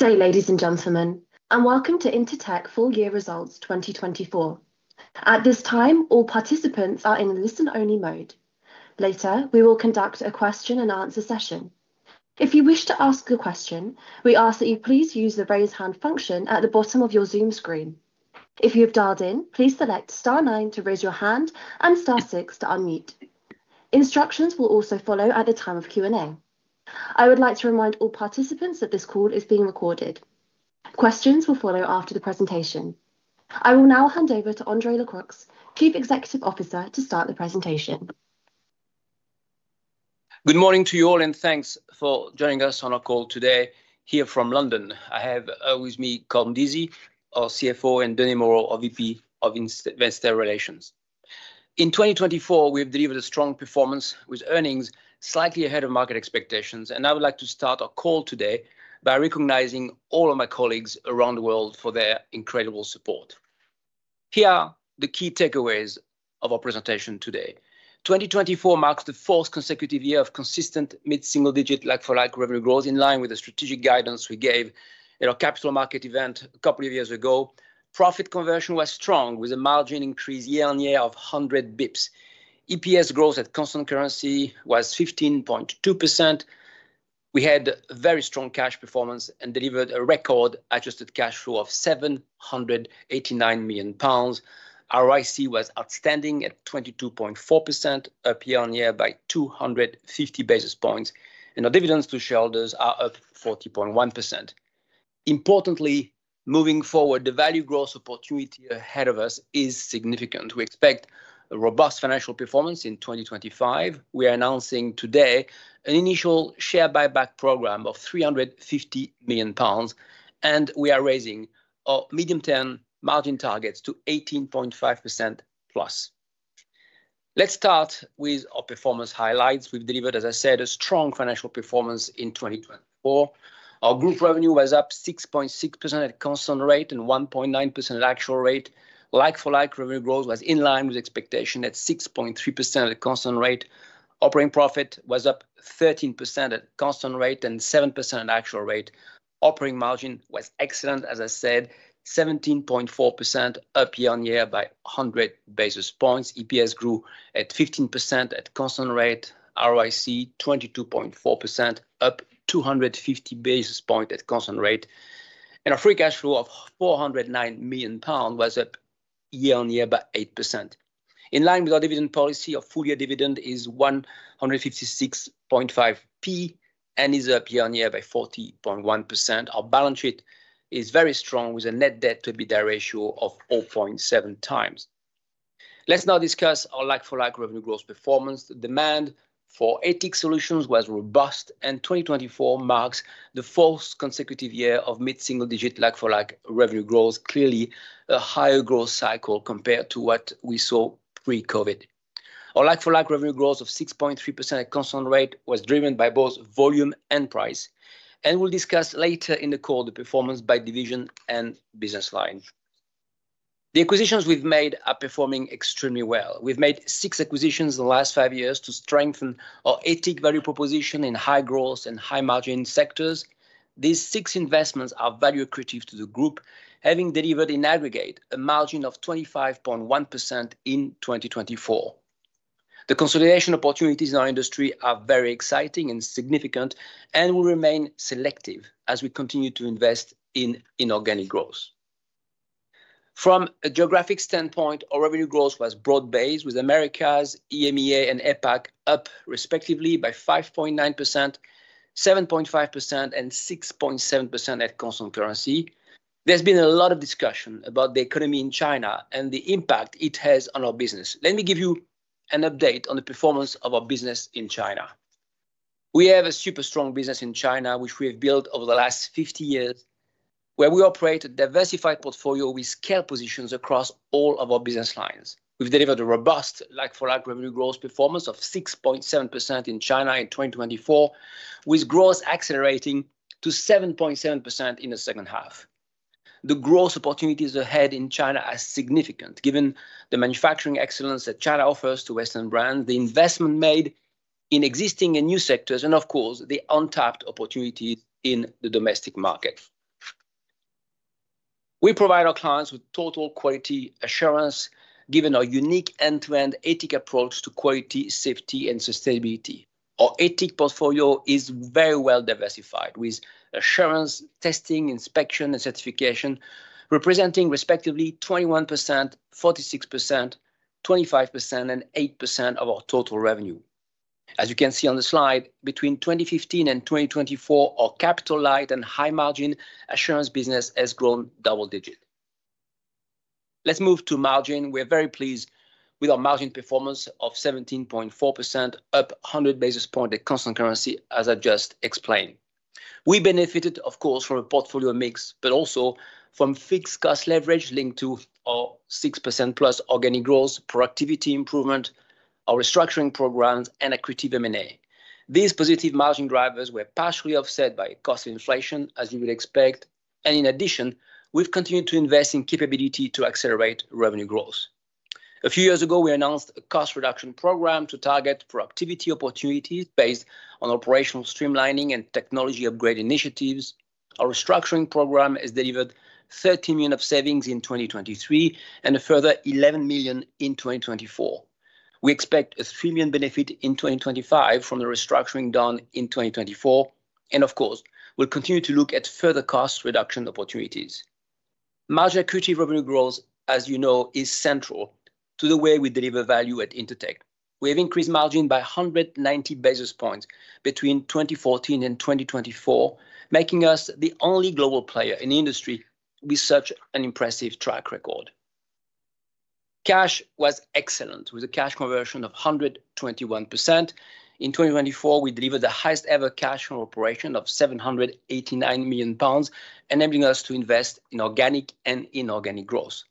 Good day, ladies and gentlemen, and welcome to Intertek full year results 2024. At this time, all participants are in listen-only mode. Later, we will conduct a question and answer session. If you wish to ask a question, we ask that you please use the raise hand function at the bottom of your Zoom screen. If you have dialed in, please select star nine to raise your hand and star six to unmute. Instructions will also follow at the time of Q&A. I would like to remind all participants that this call is being recorded. Questions will follow after the presentation. I will now hand over to André Lacroix, Chief Executive Officer, to start the presentation. Good morning to you all, and thanks for joining us on our call today here from London. I have with me Colm Deasy, our CFO, and Denis Moreau, our VP of Investor Relations. In 2024, we have delivered a strong performance with earnings slightly ahead of market expectations, and I would like to start our call today by recognizing all of my colleagues around the world for their incredible support. Here are the key takeaways of our presentation today. 2024 marks the fourth consecutive year of consistent mid-single digit like-for-like revenue growth in line with the strategic guidance we gave at our Capital Markets Event a couple of years ago. Profit conversion was strong with a margin increase year-on-year of 100 basis points. EPS growth at constant currency was 15.2%. We had very strong cash performance and delivered a record adjusted cash flow of 789 million pounds. Our ROIC was outstanding at 22.4%, up year-on-year by 250 basis points, and our dividends to shareholders are up 40.1%. Importantly, moving forward, the value growth opportunity ahead of us is significant. We expect a robust financial performance in 2025. We are announcing today an initial share buyback program of 350 million pounds, and we are raising our medium-term margin targets to 18.5%+. Let's start with our performance highlights. We've delivered, as I said, a strong financial performance in 2024. Our group revenue was up 6.6% at constant rate and 1.9% at actual rate. Like-for-like revenue growth was in line with expectation at 6.3% at a constant rate. Operating profit was up 13% at constant rate and 7% at actual rate. Operating margin was excellent, as I said, 17.4% up year-on-year by 100 basis points. EPS grew at 15% at constant rate. ROIC 22.4%, up 250 basis points at constant rate. Our free cash flow of 409 million pounds was up year-on-year by 8%. In line with our dividend policy, our full year dividend is 156.5% and is up year-on-year by 40.1%. Our balance sheet is very strong with a net debt to EBITDA ratio of 0.7 times. Let's now discuss our like-for-like revenue growth performance. The demand for ATIC solutions was robust, and 2024 marks the fourth consecutive year of mid-single digit like-for-like revenue growth, clearly a higher growth cycle compared to what we saw pre-COVID. Our like-for-like revenue growth of 6.3% at constant rate was driven by both volume and price, and we'll discuss later in the call the performance by division and business line. The acquisitions we've made are performing extremely well. We've made six acquisitions in the last five years to strengthen our ATIC value proposition in high growth and high-margin sectors. These six investments are value accretive to the group, having delivered in aggregate a margin of 25.1% in 2024. The consolidation opportunities in our industry are very exciting and significant and will remain selective as we continue to invest in inorganic growth. From a geographic standpoint, our revenue growth was broad-based with Americas, EMEA, and APAC up respectively by 5.9%, 7.5%, and 6.7% at constant currency. There's been a lot of discussion about the economy in China and the impact it has on our business. Let me give you an update on the performance of our business in China. We have a super strong business in China, which we have built over the last 50 years, where we operate a diversified portfolio with scale positions across all of our business lines. We've delivered a robust like-for-like revenue growth performance of 6.7% in China in 2024, with growth accelerating to 7.7% in the second half. The growth opportunities ahead in China are significant given the manufacturing excellence that China offers to Western brands, the investment made in existing and new sectors, and of course, the untapped opportunities in the domestic market. We provide our clients with total quality assurance given our unique end-to-end ATIC approach to quality, safety, and sustainability. Our ATIC portfolio is very well diversified with assurance, testing, inspection, and certification representing respectively 21%, 46%, 25%, and 8% of our total revenue. As you can see on the slide, between 2015 and 2024, our capital-light and high-margin assurance business has grown double digit. Let's move to margin. We are very pleased with our margin performance of 17.4%, up 100 basis points at constant currency, as I just explained. We benefited, of course, from a portfolio mix, but also from fixed cost leverage linked to our 6%+ organic growth, productivity improvement, our restructuring programs, and equity M&A. These positive margin drivers were partially offset by cost inflation, as you would expect, and in addition, we've continued to invest in capability to accelerate revenue growth. A few years ago, we announced a cost reduction program to target productivity opportunities based on operational streamlining and technology upgrade initiatives. Our restructuring program has delivered 30 million of savings in 2023 and a further 11 million in 2024. We expect a 3 million benefit in 2025 from the restructuring done in 2024, and of course, we'll continue to look at further cost reduction opportunities. Margin accretive revenue growth, as you know, is central to the way we deliver value at Intertek. We have increased margin by 190 basis points between 2014 and 2024, making us the only global player in the industry with such an impressive track record. Cash was excellent with a cash conversion of 121%. In 2024, we delivered the highest ever cash from operations of 789 million pounds, enabling us to invest in organic and inorganic growth.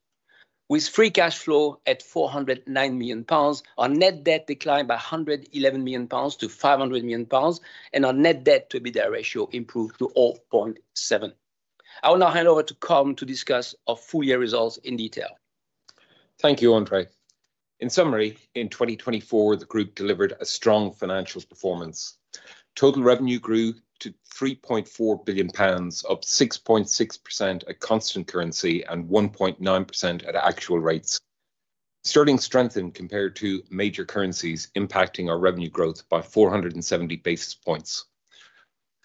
With free cash flow at 409 million pounds, our net debt declined by 111 million pounds to 500 million pounds, and our net debt to EBITDA ratio improved to 0.7. I will now hand over to Colm to discuss our full year results in detail. Thank you, André. In summary, in 2024, the group delivered a strong financial performance. Total revenue grew to 3.4 billion pounds, up 6.6% at constant currency and 1.9% at actual rates, Sterling strengthened compared to major currencies, impacting our revenue growth by 470 basis points.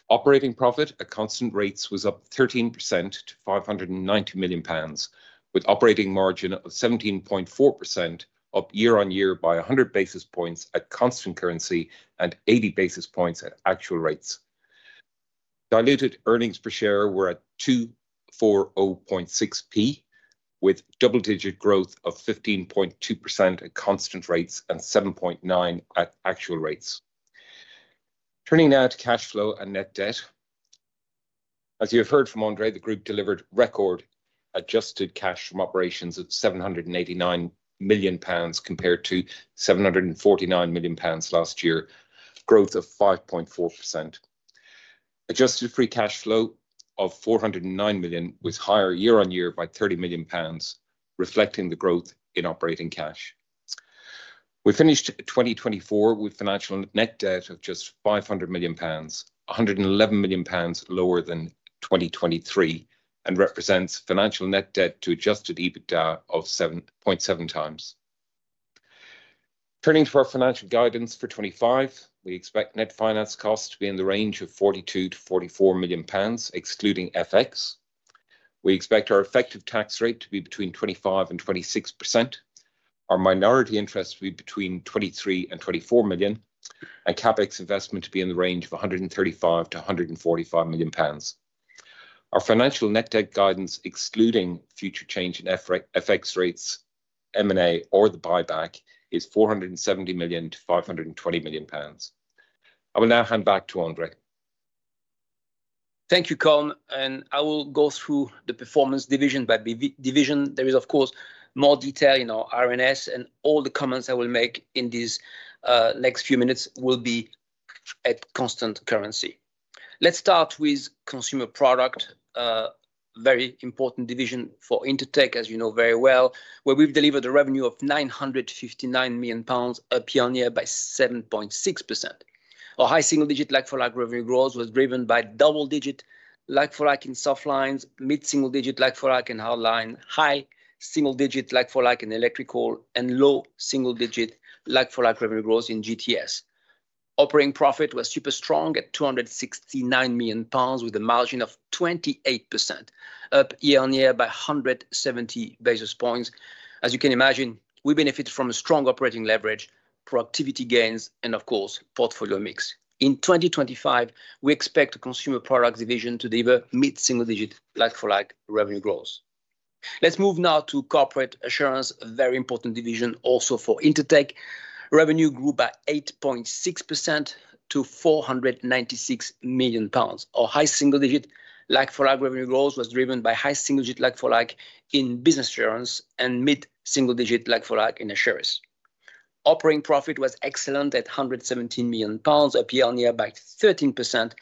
Operating profit at constant rates was up 13% to 590 million pounds, with operating margin of 17.4% up year-on-year by 100 basis points at constant currency and 80 basis points at actual rates. Diluted earnings per share were at 240.6%, with double digit growth of 15.2% at constant rates and 7.9% at actual rates. Turning now to cash flow and net debt. As you have heard from André, the group delivered record adjusted cash from operations of 789 million pounds compared to 749 million pounds last year, growth of 5.4%. Adjusted free cash flow of 409 million was higher year-on-year by 30 million pounds, reflecting the growth in operating cash. We finished 2024 with financial net debt of just 500 million pounds, 111 million pounds lower than 2023, and represents financial net debt to adjusted EBITDA of 7.7 times. Turning to our financial guidance for 2025, we expect net finance costs to be in the range of 42-44 million pounds, excluding FX. We expect our effective tax rate to be between 25% and 26%, our minority interest to be between 23-24 million, and CapEx investment to be in the range of 135-145 million pounds. Our financial net debt guidance, excluding future change in FX rates, M&A, or the buyback, is 470 million-520 million pounds. I will now hand back to André. Thank you, Colm, and I will go through the performance division by division. There is, of course, more detail in our RNS, and all the comments I will make in these next few minutes will be at constant currency. Let's start with Consumer Products, a very important division for Intertek, as you know very well, where we've delivered a revenue of 959 million pounds up year-on-year by 7.6%. Our high single digit like-for-like revenue growth was driven by double digit like-for-like in Softlines, mid-single digit like-for-like in Hardlines, high single digit like-for-like in Electrical, and low single digit like-for-like revenue growth in GTS. Operating profit was super strong at 269 million pounds with a margin of 28%, up year-on-year by 170 basis points. As you can imagine, we benefited from strong operating leverage, productivity gains, and, of course, portfolio mix. In 2025, we expect the Consumer Products division to deliver mid-single digit like-for-like revenue growth. Let's move now to Corporate Assurance, a very important division also for Intertek. Revenue grew by 8.6% to 496 million pounds. Our high single digit like-for-like revenue growth was driven by high single digit like-for-like in Business Assurance and mid-single digit like-for-like in Assurance. Operating profit was excellent at 117 million pounds, up year-on-year by 13%,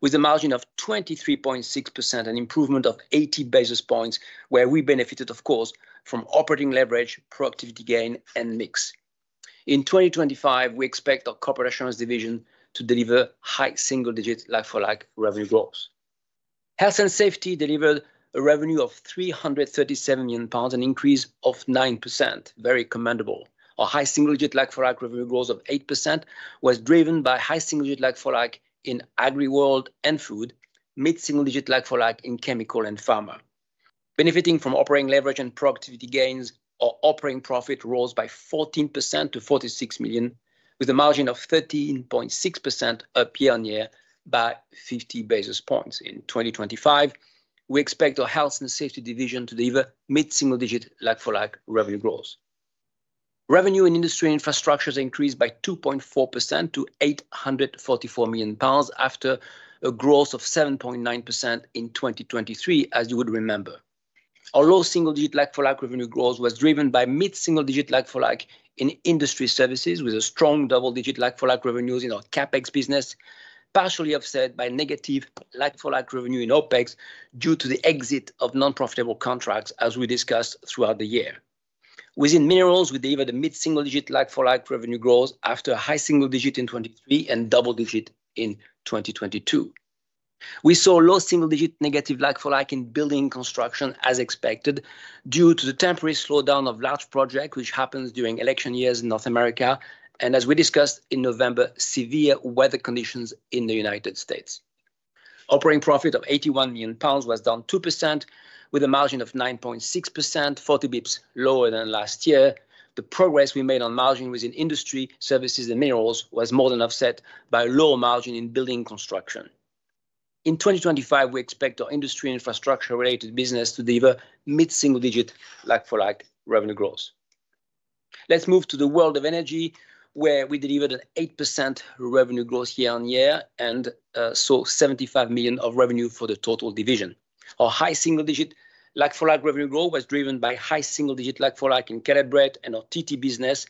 with a margin of 23.6%, an improvement of 80 basis points, where we benefited, of course, from operating leverage, productivity gain, and mix. In 2025, we expect our Corporate Assurance division to deliver high single digit like-for-like revenue growth. Health and Safety delivered a revenue of 337 million pounds and an increase of 9%, very commendable. Our high single digit like-for-like revenue growth of 8% was driven by high single digit like-for-like in AgriWorld and Food, mid-single digit like-for-like in Chemicals and Pharma. Benefiting from operating leverage and productivity gains, our operating profit rose by 14% to 46 million, with a margin of 13.6% up year-on-year by 50 basis points. In 2025, we expect our Health and Safety division to deliver mid-single digit like-for-like revenue growth. Revenue in Industry and Infrastructure increased by 2.4% to 844 million pounds after a growth of 7.9% in 2023, as you would remember. Our low single digit like-for-like revenue growth was driven by mid-single digit like-for-like in Industry Services, with a strong double digit like-for-like revenues in our CapEx business, partially offset by negative like-for-like revenue in OpEx due to the exit of non-profitable contracts, as we discussed throughout the year. Within Minerals, we delivered a mid-single digit like-for-like revenue growth after a high single digit in 2023 and double digit in 2022. We saw low single digit negative like-for-like in Building and Construction, as expected, due to the temporary slowdown of large projects, which happens during election years in North America, and, as we discussed in November, severe weather conditions in the United States. Operating profit of 81 million pounds was down 2%, with a margin of 9.6%, 40 basis points lower than last year. The progress we made on margin within Industry Services and Minerals was more than offset by a low margin in Building and Construction. In 2025, we expect our Industry and Infrastructure related business to deliver mid-single digit like-for-like revenue growth. Let's move to the World of Energy, where we delivered an 8% revenue growth year-on-year and saw 75 million of revenue for the total division. Our high single digit like-for-like revenue growth was driven by high single digit like-for-like in Caleb Brett and our TT business,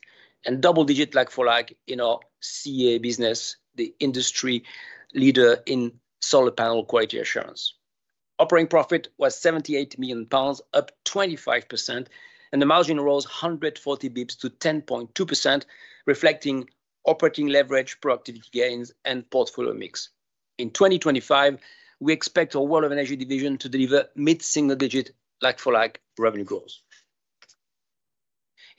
and double digit like-for-like in our CEA business, the industry leader in solar panel quality assurance. Operating profit was 78 million pounds, up 25%, and the margin rose 140 basis points to 10.2%, reflecting operating leverage, productivity gains, and portfolio mix. In 2025, we expect our World of Energy division to deliver mid-single digit like-for-like revenue growth.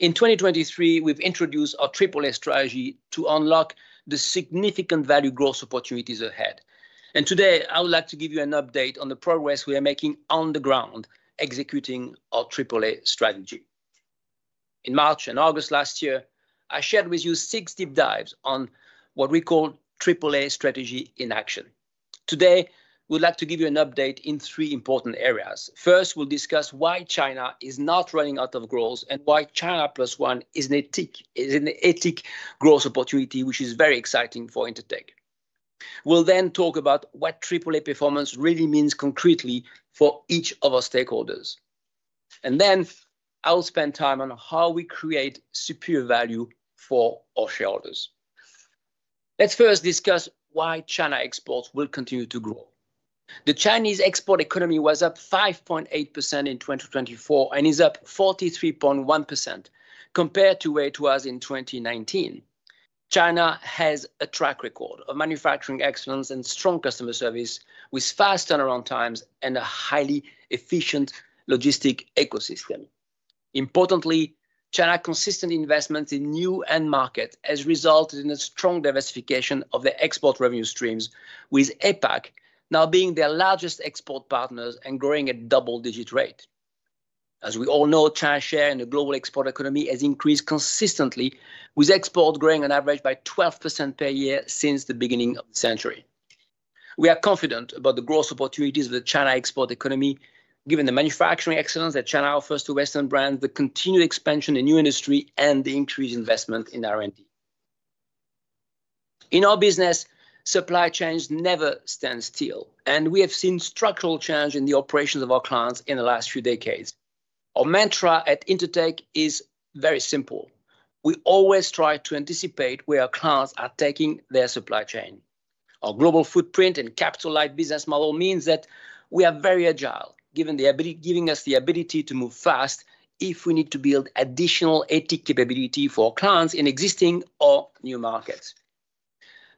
In 2023, we've introduced our AAA strategy to unlock the significant value growth opportunities ahead. And today, I would like to give you an update on the progress we are making on the ground executing our AAA strategy. In March and August last year, I shared with you six deep dives on what we call AAA strategy in action. Today, we'd like to give you an update in three important areas. First, we'll discuss why China is not running out of growth and why China Plus One is a net growth opportunity, which is very exciting for Intertek. We'll then talk about what AAA performance really means concretely for each of our stakeholders. And then I'll spend time on how we create superior value for our shareholders. Let's first discuss why China exports will continue to grow. The Chinese export economy was up 5.8% in 2024 and is up 43.1% compared to where it was in 2019. China has a track record of manufacturing excellence and strong customer service, with fast turnaround times and a highly efficient logistics ecosystem. Importantly, China's consistent investments in new end markets has resulted in a strong diversification of their export revenue streams, with APAC now being their largest export partner and growing at double-digit rate. As we all know, China's share in the global export economy has increased consistently, with exports growing on average by 12% per year since the beginning of the century. We are confident about the growth opportunities of the China export economy, given the manufacturing excellence that China offers to Western brands, the continued expansion in new industry, and the increased investment in R&D. In our business, supply chains never stand still, and we have seen structural change in the operations of our clients in the last few decades. Our mantra at Intertek is very simple. We always try to anticipate where our clients are taking their supply chain. Our global footprint and capital-light business model means that we are very agile, giving us the ability to move fast if we need to build additional exit capability for our clients in existing or new markets.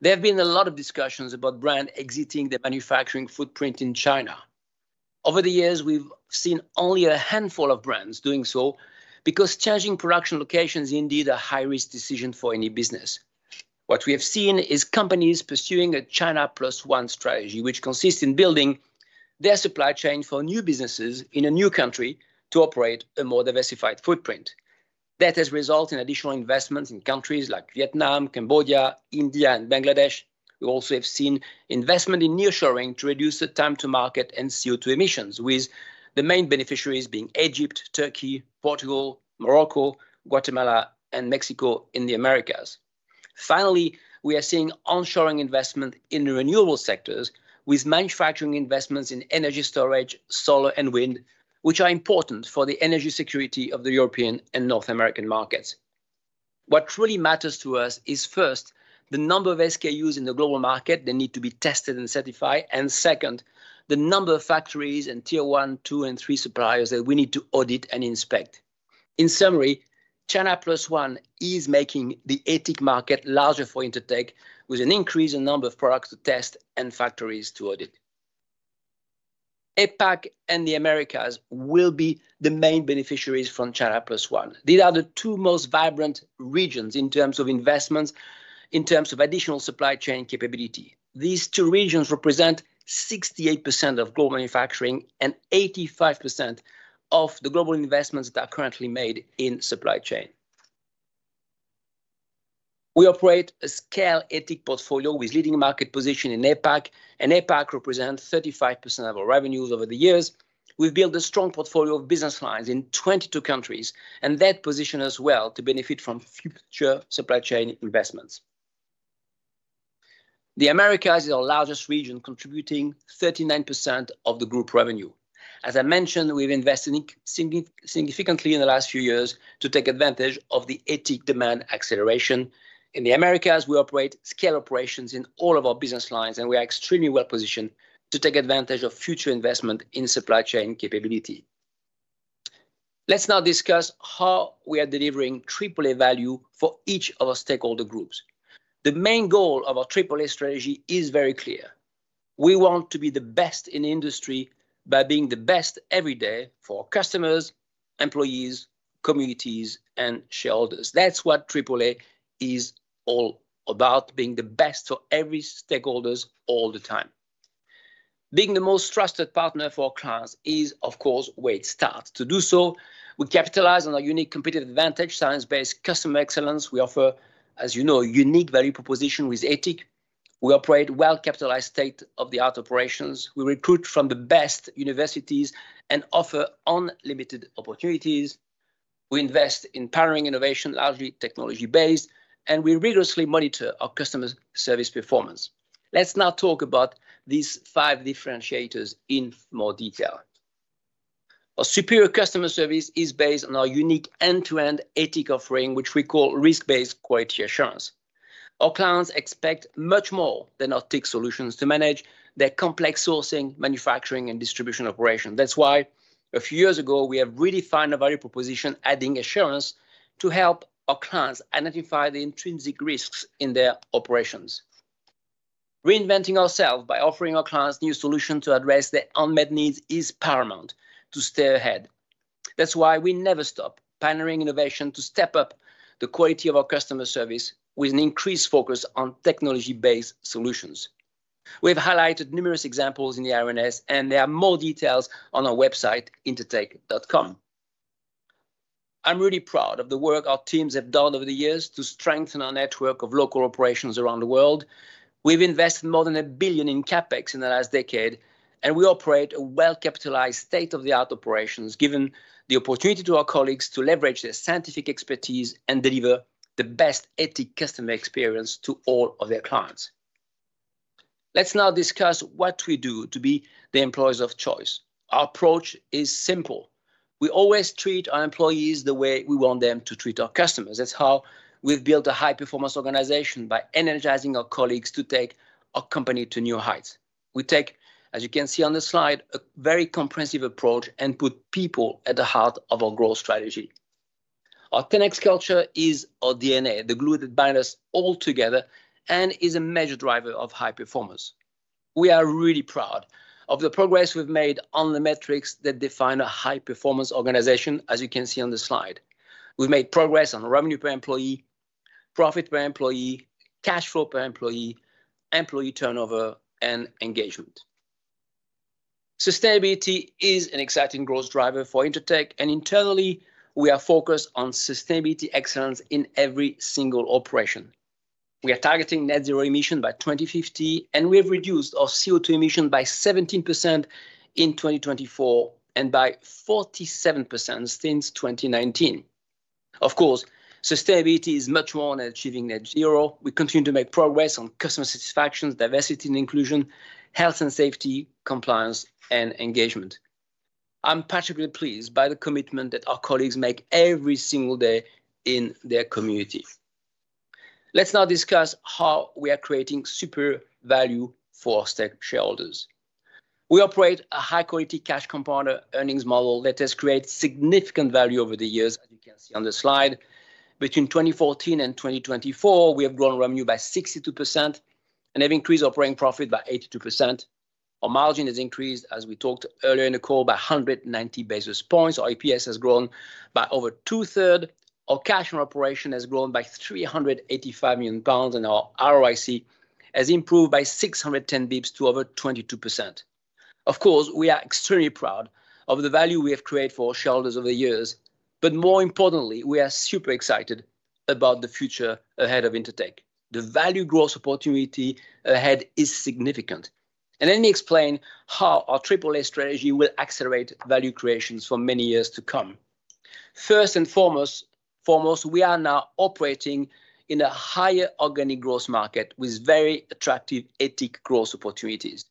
There have been a lot of discussions about brands exiting the manufacturing footprint in China. Over the years, we've seen only a handful of brands doing so because changing production locations is indeed a high-risk decision for any business. What we have seen is companies pursuing a China Plus One strategy, which consists in building their supply chain for new businesses in a new country to operate a more diversified footprint. That has resulted in additional investments in countries like Vietnam, Cambodia, India, and Bangladesh. We also have seen investment in nearshoring to reduce the time to market and CO2 emissions, with the main beneficiaries being Egypt, Turkey, Portugal, Morocco, Guatemala, and Mexico in the Americas. Finally, we are seeing onshoring investment in the renewable sectors, with manufacturing investments in energy storage, solar, and wind, which are important for the energy security of the European and North American markets. What truly matters to us is, first, the number of SKUs in the global market that need to be tested and certified, and second, the number of factories and tier one, two, and three suppliers that we need to audit and inspect. In summary, China Plus One is making the ATIC market larger for Intertek, with an increase in the number of products to test and factories to audit. APAC and the Americas will be the main beneficiaries from China Plus One. These are the two most vibrant regions in terms of investments, in terms of additional supply chain capability. These two regions represent 68% of global manufacturing and 85% of the global investments that are currently made in supply chain. We operate a scaled ATIC portfolio with leading market position in APAC, and APAC represents 35% of our revenues over the years. We've built a strong portfolio of business lines in 22 countries, and that position as well to benefit from future supply chain investments. The Americas is our largest region, contributing 39% of the group revenue. As I mentioned, we've invested significantly in the last few years to take advantage of the ATIC demand acceleration. In the Americas, we operate scale operations in all of our business lines, and we are extremely well-positioned to take advantage of future investment in supply chain capability. Let's now discuss how we are delivering AAA value for each of our stakeholder groups. The main goal of our AAA strategy is very clear. We want to be the best in the industry by being the best every day for our customers, employees, communities, and shareholders. That's what AAA is all about: being the best for every stakeholder all the time. Being the most trusted partner for our clients is, of course, where it starts. To do so, we capitalize on our unique competitive advantage, science-based customer excellence. We offer, as you know, a unique value proposition with ATIC. We operate well-capitalized state-of-the-art operations. We recruit from the best universities and offer unlimited opportunities. We invest in powering innovation, largely technology-based, and we rigorously monitor our customer service performance. Let's now talk about these five differentiators in more detail. Our superior customer service is based on our unique end-to-end ATIC offering, which we call risk-based quality assurance. Our clients expect much more than our tech solutions to manage their complex sourcing, manufacturing, and distribution operations. That's why, a few years ago, we have redefined our value proposition, adding assurance to help our clients identify the intrinsic risks in their operations. Reinventing ourselves by offering our clients new solutions to address their unmet needs is paramount to stay ahead. That's why we never stop pioneering innovation to step up the quality of our customer service, with an increased focus on technology-based solutions. We have highlighted numerous examples in the RNS, and there are more details on our website, intertek.com. I'm really proud of the work our teams have done over the years to strengthen our network of local operations around the world. We've invested more than 1 billion in CapEx in the last decade, and we operate a well-capitalized state-of-the-art operations, giving the opportunity to our colleagues to leverage their scientific expertise and deliver the best ethical customer experience to all of their clients. Let's now discuss what we do to be the employers of choice. Our approach is simple. We always treat our employees the way we want them to treat our customers. That's how we've built a high-performance organization by energizing our colleagues to take our company to new heights. We take, as you can see on the slide, a very comprehensive approach and put people at the heart of our growth strategy. Our 10X Culture is our DNA, the glue that binds us all together and is a major driver of high performance. We are really proud of the progress we've made on the metrics that define a high-performance organization, as you can see on the slide. We've made progress on revenue per employee, profit per employee, cash flow per employee, employee turnover, and engagement. Sustainability is an exciting growth driver for Intertek, and internally, we are focused on sustainability excellence in every single operation. We are targeting Net Zero emissions by 2050, and we have reduced our CO2 emissions by 17% in 2024 and by 47% since 2019. Of course, sustainability is much more than achieving Net Zero. We continue to make progress on customer satisfaction, diversity and inclusion, Health and Safety, compliance, and engagement. I'm particularly pleased by the commitment that our colleagues make every single day in their community. Let's now discuss how we are creating superior value for our stakeholders. We operate a high-quality cash compounder earnings model that has created significant value over the years, as you can see on the slide. Between 2014 and 2024, we have grown revenue by 62% and have increased operating profit by 82%. Our margin has increased, as we talked earlier in the call, by 190 basis points. Our EPS has grown by over two-thirds. Our cash on operation has grown by 385 million pounds, and our ROIC has improved by 610 basis points to over 22%. Of course, we are extremely proud of the value we have created for our shareholders over the years, but more importantly, we are super excited about the future ahead of Intertek. The value growth opportunity ahead is significant, and let me explain how our AAA strategy will accelerate value creations for many years to come. First and foremost, we are now operating in a higher organic growth market with very attractive inorganic growth opportunities.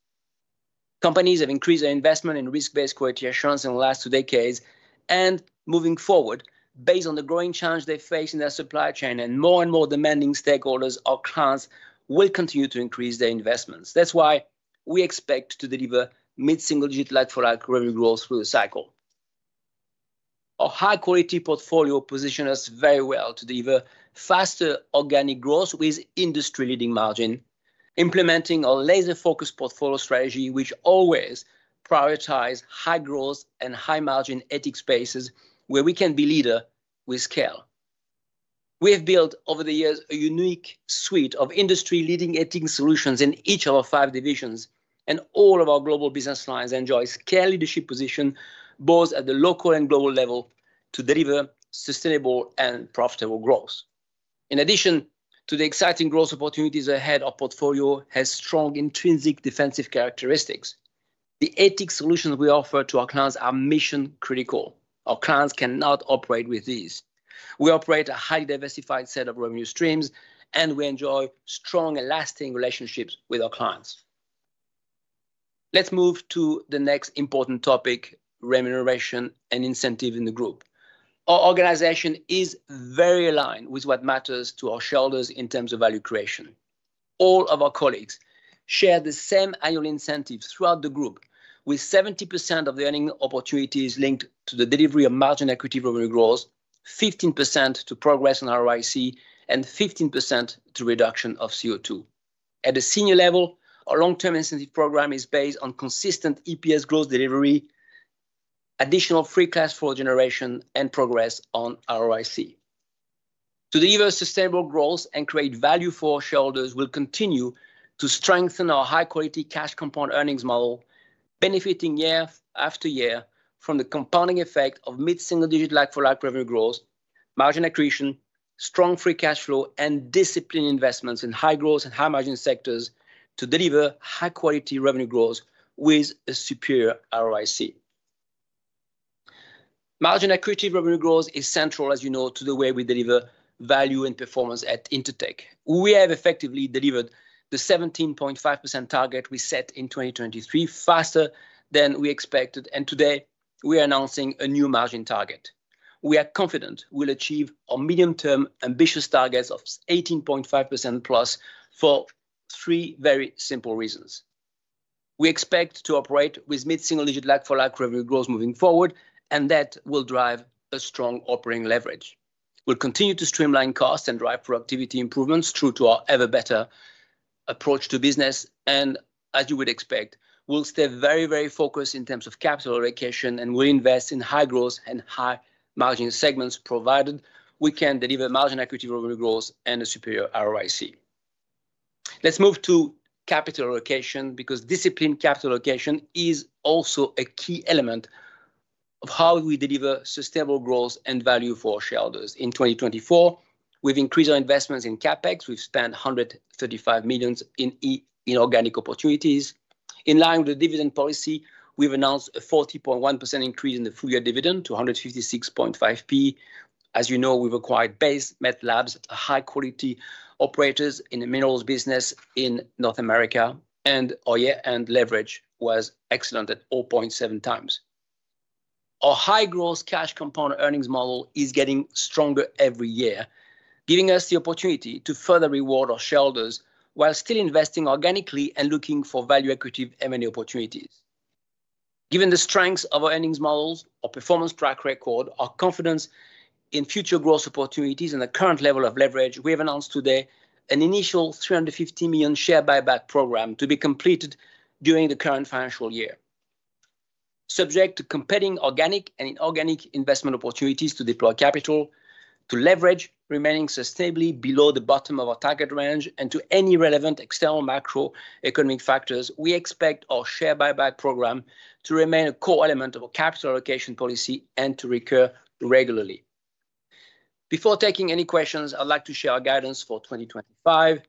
Companies have increased their investment in risk-based quality assurance in the last two decades, and moving forward, based on the growing challenge they face in their supply chain and more and more demanding stakeholders, our clients will continue to increase their investments. That's why we expect to deliver mid-single digit like-for-like revenue growth through the cycle. Our high-quality portfolio positions us very well to deliver faster organic growth with industry-leading margin, implementing our laser-focused portfolio strategy, which always prioritizes high growth high-margin end-to-end spaces where we can be leader with scale. We have built over the years a unique suite of industry-leading end-to-end solutions in each of our five divisions, and all of our global business lines enjoy scale leadership positions both at the local and global level to deliver sustainable and profitable growth. In addition to the exciting growth opportunities ahead, our portfolio has strong intrinsic defensive characteristics. The end-to-end solutions we offer to our clients are mission-critical. Our clients cannot operate with these. We operate a highly diversified set of revenue streams, and we enjoy strong and lasting relationships with our clients. Let's move to the next important topic: remuneration and incentives in the group. Our organization is very aligned with what matters to our shareholders in terms of value creation. All of our colleagues share the same annual incentives throughout the group, with 70% of the earnings opportunities linked to the delivery of margin equity revenue growth, 15% to progress on ROIC, and 15% to reduction of CO2. At a senior level, our long-term incentive program is based on consistent EPS growth delivery, additional free cash flow generation, and progress on ROIC. To deliver sustainable growth and create value for our shareholders, we'll continue to strengthen our high-quality cash compound earnings model, benefiting year after year from the compounding effect of mid-single digit like-for-like revenue growth, margin accretion, strong free cash flow, and disciplined investments in high growth and high-margin sectors to deliver high-quality revenue growth with a superior ROIC. Margin accretive revenue growth is central, as you know, to the way we deliver value and performance at Intertek. We have effectively delivered the 17.5% target we set in 2023, faster than we expected, and today, we are announcing a new margin target. We are confident we'll achieve our medium-term ambitious targets of 18.5%+ for three very simple reasons. We expect to operate with mid-single digit like-for-like revenue growth moving forward, and that will drive a strong operating leverage. We'll continue to streamline costs and drive productivity improvements through to our Ever Better approach to business, and as you would expect, we'll stay very, very focused in terms of capital allocation, and we'll invest in high growth and high-margin segments provided we can deliver margin equity revenue growth and a superior ROIC. Let's move to capital allocation because disciplined capital allocation is also a key element of how we deliver sustainable growth and value for our shareholders. In 2024, we've increased our investments in CapEx. We've spent 135 million in organic opportunities. In line with the dividend policy, we've announced a 40.1% increase in the full-year dividend to 156.5. As you know, we've acquired Base Met Labs, high-quality operators in the minerals business in North America, and our year-end leverage was excellent at 0.7 times. Our high-growth cash compound earnings model is getting stronger every year, giving us the opportunity to further reward our shareholders while still investing organically and looking for value-accretive M&A opportunities. Given the strengths of our earnings models, our performance track record, our confidence in future growth opportunities, and the current level of leverage, we have announced today an initial 350 million share buyback program to be completed during the current financial year. Subject to competing organic and inorganic investment opportunities to deploy capital, to leverage remaining sustainably below the bottom of our target range, and to any relevant external macroeconomic factors, we expect our share buyback program to remain a core element of our capital allocation policy and to recur regularly. Before taking any questions, I'd like to share our guidance for 2025.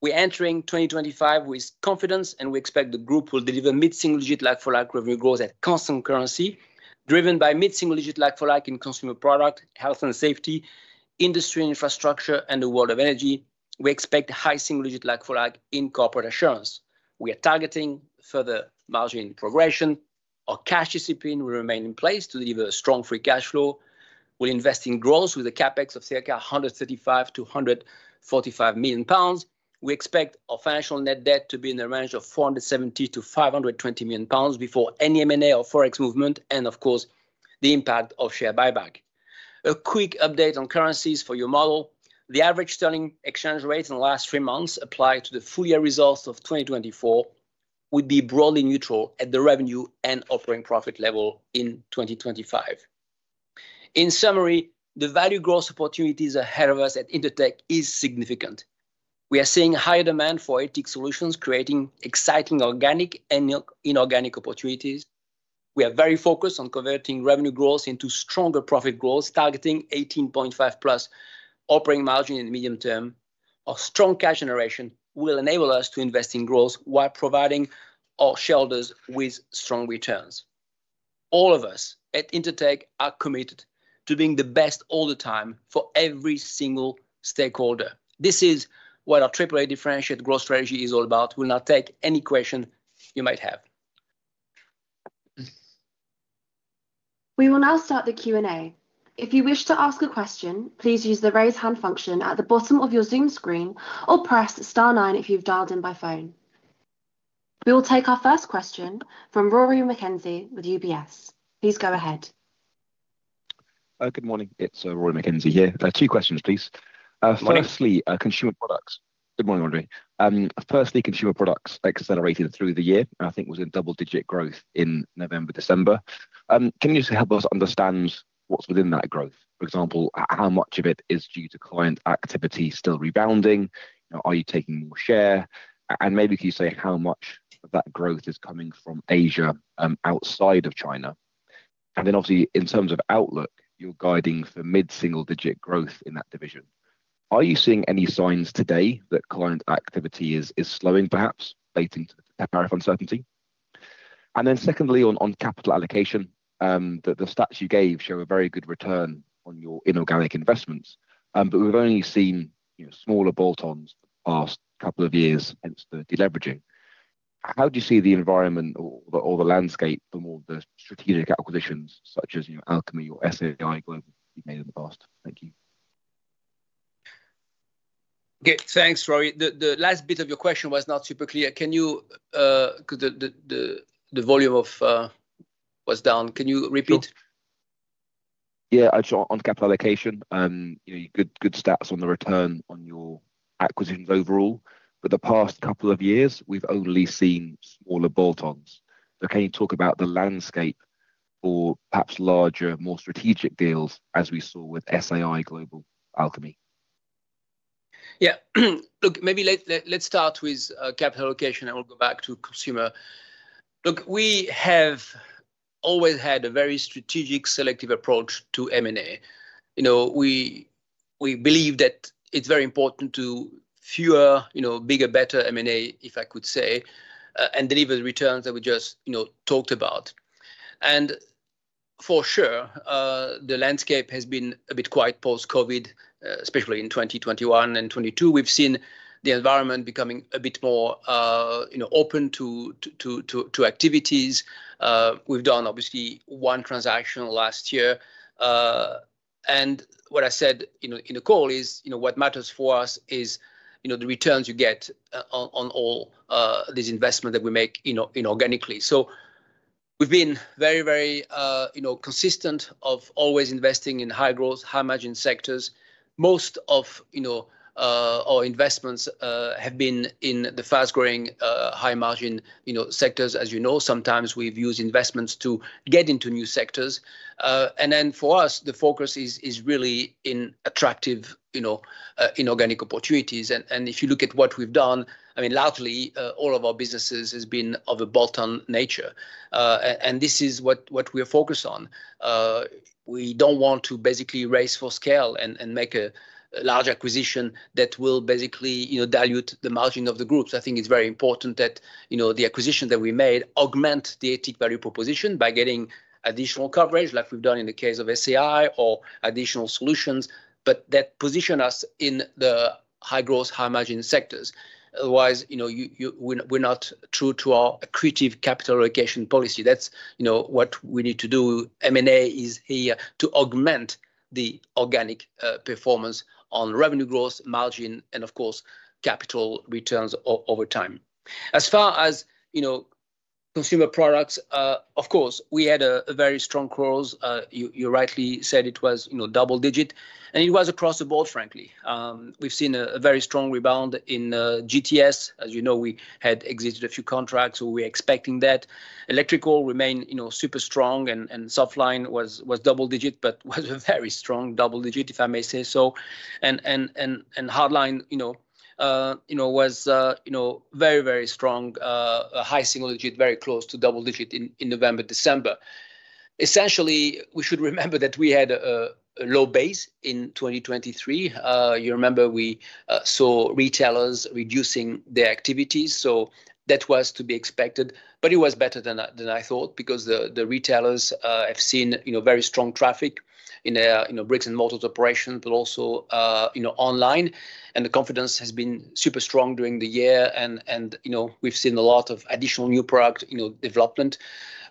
We're entering 2025 with confidence, and we expect the group will deliver mid-single-digit like-for-like revenue growth at constant currency, driven by mid-single-digit like-for-like in Consumer Products, Health and Safety, Industry and Infrastructure, and the World of Energy. We expect high single digit like-for-like in corporate assurance. We are targeting further margin progression. Our cash discipline will remain in place to deliver strong free cash flow. We'll invest in growth with a CapEx of circa 135 million-145 million pounds. We expect our financial net debt to be in the range of 470 million-520 million pounds before any M&A or Forex movement and, of course, the impact of share buyback. A quick update on currencies for your model. The average sterling exchange rate in the last three months applied to the full year results of 2024 would be broadly neutral at the revenue and operating profit level in 2025. In summary, the value growth opportunities ahead of us at Intertek are significant. We are seeing higher demand for ESG solutions, creating exciting organic and inorganic opportunities. We are very focused on converting revenue growth into stronger profit growth, targeting 18.5+ operating margin in the medium-term. Our strong cash generation will enable us to invest in growth while providing our shareholders with strong returns. All of us at Intertek are committed to being the best all the time for every single stakeholder. This is what our AAA differentiated growth strategy is all about. We'll now take any question you might have. We will now start the Q&A. If you wish to ask a question, please use the raise hand function at the bottom of your Zoom screen or press star nine if you've dialed in by phone. We will take our first question from Rory McKenzie with UBS. Please go ahead. Good morning. It's Rory McKenzie here. Two questions, please. Firstly, Consumer Products. Good morning, Rory. Firstly, Consumer Products accelerated through the year, and I think was in double-digit growth in November, December. Can you just help us understand what's within that growth? For example, how much of it is due to client activity still rebounding? Are you taking more share? And maybe could you say how much of that growth is coming from Asia outside of China? And then obviously, in terms of outlook, you're guiding for mid-single-digit growth in that division. Are you seeing any signs today that client activity is slowing, perhaps, relating to tariff uncertainty? And then secondly, on capital allocation, the stats you gave show a very good return on your inorganic investments, but we've only seen smaller bolt-ons the past couple of years hence the deleveraging. How do you see the environment or the landscape for more of the strategic acquisitions such as Alchemy or SAI Global you've made in the past? Thank you. Okay, thanks, Rory. The last bit of your question was not super clear. Can you, because the volume was down, can you repeat? Yeah, on capital allocation, good stats on the return on your acquisitions overall, but the past couple of years, we've only seen smaller bolt-ons. But can you talk about the landscape for perhaps larger, more strategic deals as we saw with SAI Global, Alchemy? Yeah, look, maybe let's start with capital allocation and we'll go back to consumer. Look, we have always had a very strategic, selective approach to M&A. We believe that it's very important to fewer, bigger, better M&A, if I could say, and deliver the returns that we just talked about. And for sure, the landscape has been a bit quiet post-COVID, especially in 2021 and 2022. We've seen the environment becoming a bit more open to activities. We've done, obviously, one transaction last year. And what I said in the call is what matters for us is the returns you get on all these investments that we make inorganically. So we've been very, very consistent of always investing in high-margin sectors. Most of our investments have been in the high-margin sectors, as you know. Sometimes we've used investments to get into new sectors. And then for us, the focus is really in attractive inorganic opportunities. And if you look at what we've done, I mean, largely, all of our businesses have been of a bolt-on nature. And this is what we are focused on. We don't want to basically race for scale and make a large acquisition that will basically dilute the margin of the groups. I think it's very important that the acquisition that we made augments the end-to-end value proposition by getting additional coverage, like we've done in the case of SAI, or additional solutions, but that positions us in the high-margin sectors. Otherwise, we're not true to our accretive capital allocation policy. That's what we need to do. M&A is here to augment the organic performance on revenue growth, margin, and, of course, capital returns over time. As far as Consumer Products, of course, we had a very strong growth. You rightly said it was double-digit, and it was across the board, frankly. We've seen a very strong rebound in GTS. As you know, we had exited a few contracts, so we're expecting that. Electrical remained super strong, and Softline was double-digit, but was a very strong double-digit, if I may say so, and Hardline was very, very strong, high single digit, very close to double-digit in November, December. Essentially, we should remember that we had a low base in 2023. You remember we saw retailers reducing their activities, so that was to be expected, but it was better than I thought because the retailers have seen very strong traffic in their brick-and-mortar operations, but also online, and the confidence has been super strong during the year, and we've seen a lot of additional new product development,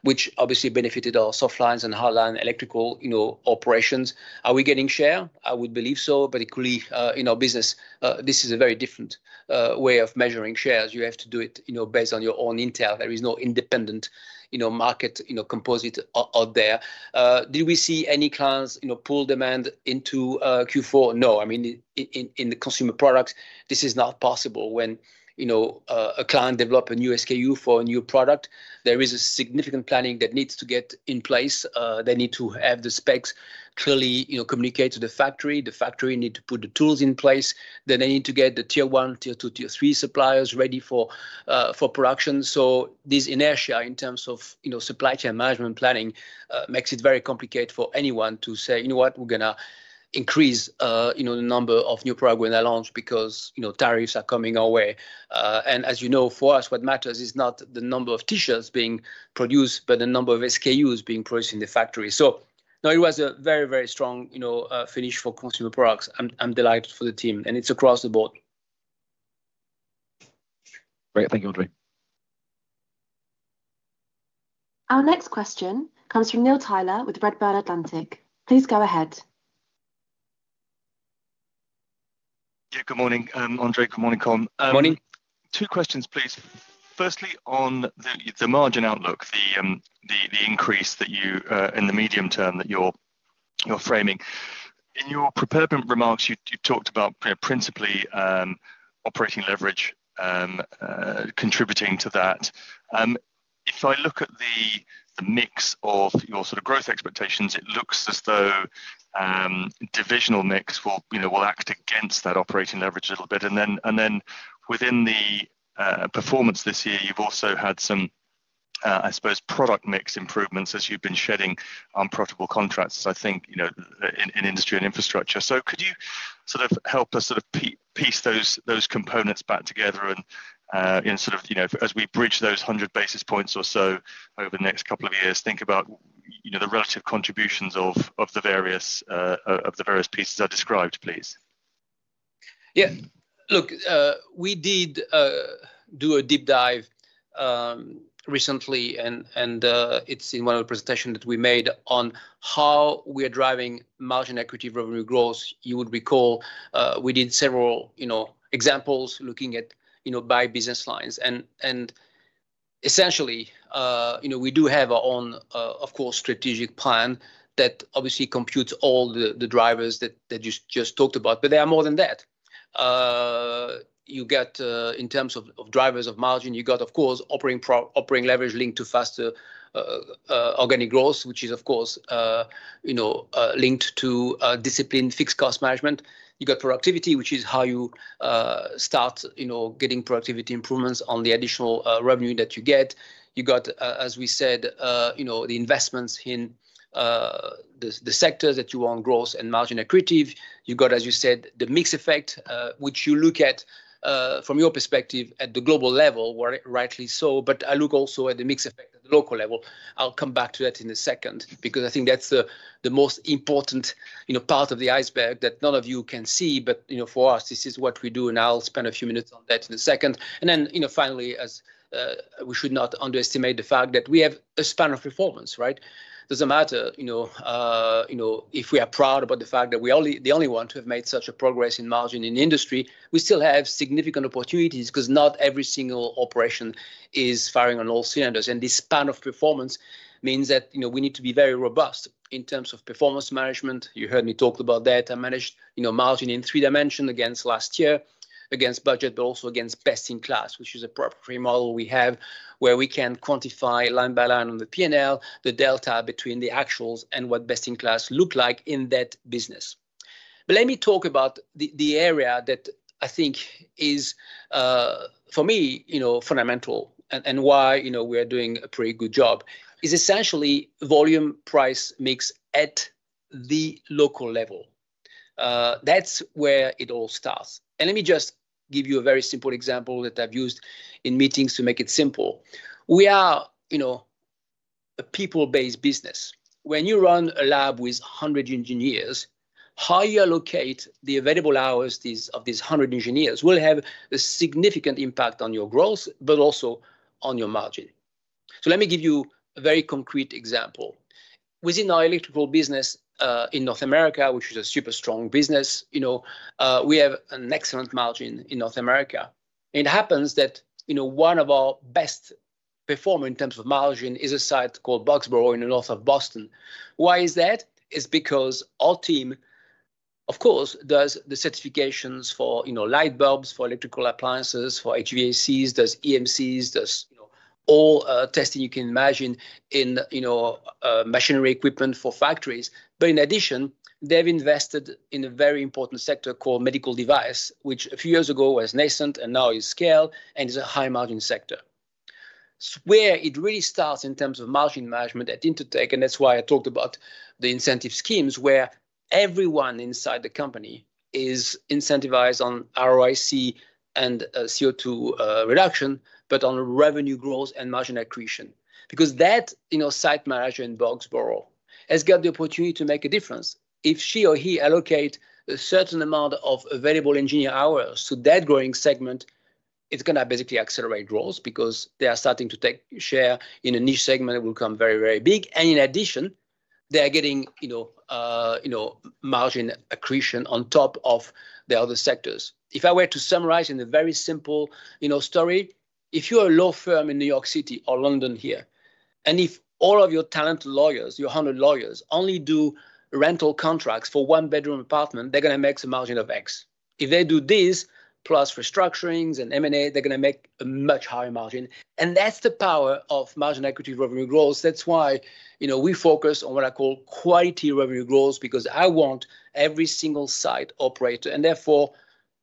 which obviously benefited our Softlines and Hardline Electrical operations. Are we getting share? I would believe so, particularly in our business. This is a very different way of measuring shares. You have to do it based on your own intel. There is no independent market composite out there. Did we see any clients pull demand into Q4? No. I mean, in the Consumer Products, this is not possible when a client develops a new SKU for a new product. There is significant planning that needs to get in place. They need to have the specs clearly communicated to the factory. The factory needs to put the tools in place. Then they need to get the tier one, tier two, tier three suppliers ready for production. So this inertia in terms of supply chain management planning makes it very complicated for anyone to say, "You know what? We're going to increase the number of new products we're going to launch because tariffs are coming our way." And as you know, for us, what matters is not the number of t-shirts being produced, but the number of SKUs being produced in the factory. So no, it was a very, very strong finish for Consumer Products. I'm delighted for the team, and it's across the board. Great. Thank you, André. Our next question comes from Neil Tyler with Redburn Atlantic. Please go ahead. Yeah, good morning, André. Good morning, Colm. Good morning. Two questions, please. Firstly, on the margin outlook, the increase that you in the medium-term that you're framing. In your prepared remarks, you talked about principally operating leverage contributing to that. If I look at the mix of your sort of growth expectations, it looks as though divisional mix will act against that operating leverage a little bit. And then within the performance this year, you've also had some, I suppose, product mix improvements as you've been shedding unprofitable contracts, I think, in Industry and Infrastructure. So could you sort of help us sort of piece those components back together and sort of, as we bridge those 100 basis points or so over the next couple of years, think about the relative contributions of the various pieces I described, please? Yeah. Look, we did do a deep dive recently, and it's in one of the presentations that we made on how we are driving margin equity revenue growth. You would recall we did several examples looking at by business lines. Essentially, we do have our own, of course, strategic plan that obviously computes all the drivers that you just talked about, but there are more than that. In terms of drivers of margin, you got, of course, operating leverage linked to faster organic growth, which is, of course, linked to disciplined fixed cost management. You got productivity, which is how you start getting productivity improvements on the additional revenue that you get. You got, as we said, the investments in the sectors that you want growth and margin accretive. You got, as you said, the mixed effect, which you look at from your perspective at the global level, rightly so, but I look also at the mixed effect at the local level. I'll come back to that in a second because I think that's the most important part of the iceberg that none of you can see, but for us, this is what we do, and I'll spend a few minutes on that in a second, and then finally, we should not underestimate the fact that we have a span of performance, right? Doesn't matter if we are proud about the fact that we are the only ones who have made such a progress in margin in industry, we still have significant opportunities because not every single operation is firing on all cylinders, and this span of performance means that we need to be very robust in terms of performance management. You heard me talk about that. I managed margin in three dimensions against last year, against budget, but also against best in class, which is a property model we have where we can quantify line by line on the P&L, the delta between the actuals and what best in class look like in that business, but let me talk about the area that I think is, for me, fundamental and why we are doing a pretty good job. It's essentially volume price mix at the local level. That's where it all starts, and let me just give you a very simple example that I've used in meetings to make it simple. We are a people-based business. When you run a lab with 100 engineers, how you allocate the available hours of these 100 engineers will have a significant impact on your growth, but also on your margin, so let me give you a very concrete example. Within our Electrical business in North America, which is a super strong business, we have an excellent margin in North America. It happens that one of our best performers in terms of margin is a site called Boxborough in the north of Boston. Why is that? It's because our team, of course, does the certifications for light bulbs, for electrical appliances, for HVACs, does EMCs, does all testing you can imagine in machinery equipment for factories. But in addition, they've invested in a very important sector called medical device, which a few years ago was nascent and now is scale and is high-margin sector. So where it really starts in terms of margin management at Intertek, and that's why I talked about the incentive schemes where everyone inside the company is incentivized on ROIC and CO2 reduction, but on revenue growth and margin accretion. Because that site manager in Boxborough has got the opportunity to make a difference. If she or he allocates a certain amount of available engineer hours to that growing segment, it's going to basically accelerate growth because they are starting to take share in a niche segment that will become very, very big, and in addition, they are getting margin accretion on top of the other sectors. If I were to summarize in a very simple story, if you're a law firm in New York City or London here, and if all of your talented lawyers, your 100 lawyers, only do rental contracts for one-bedroom apartment, they're going to make a margin of X. If they do this plus restructurings and M&A, they're going to make a much higher margin, and that's the power of margin equity revenue growth. That's why we focus on what I call quality revenue growth because I want every single site operator and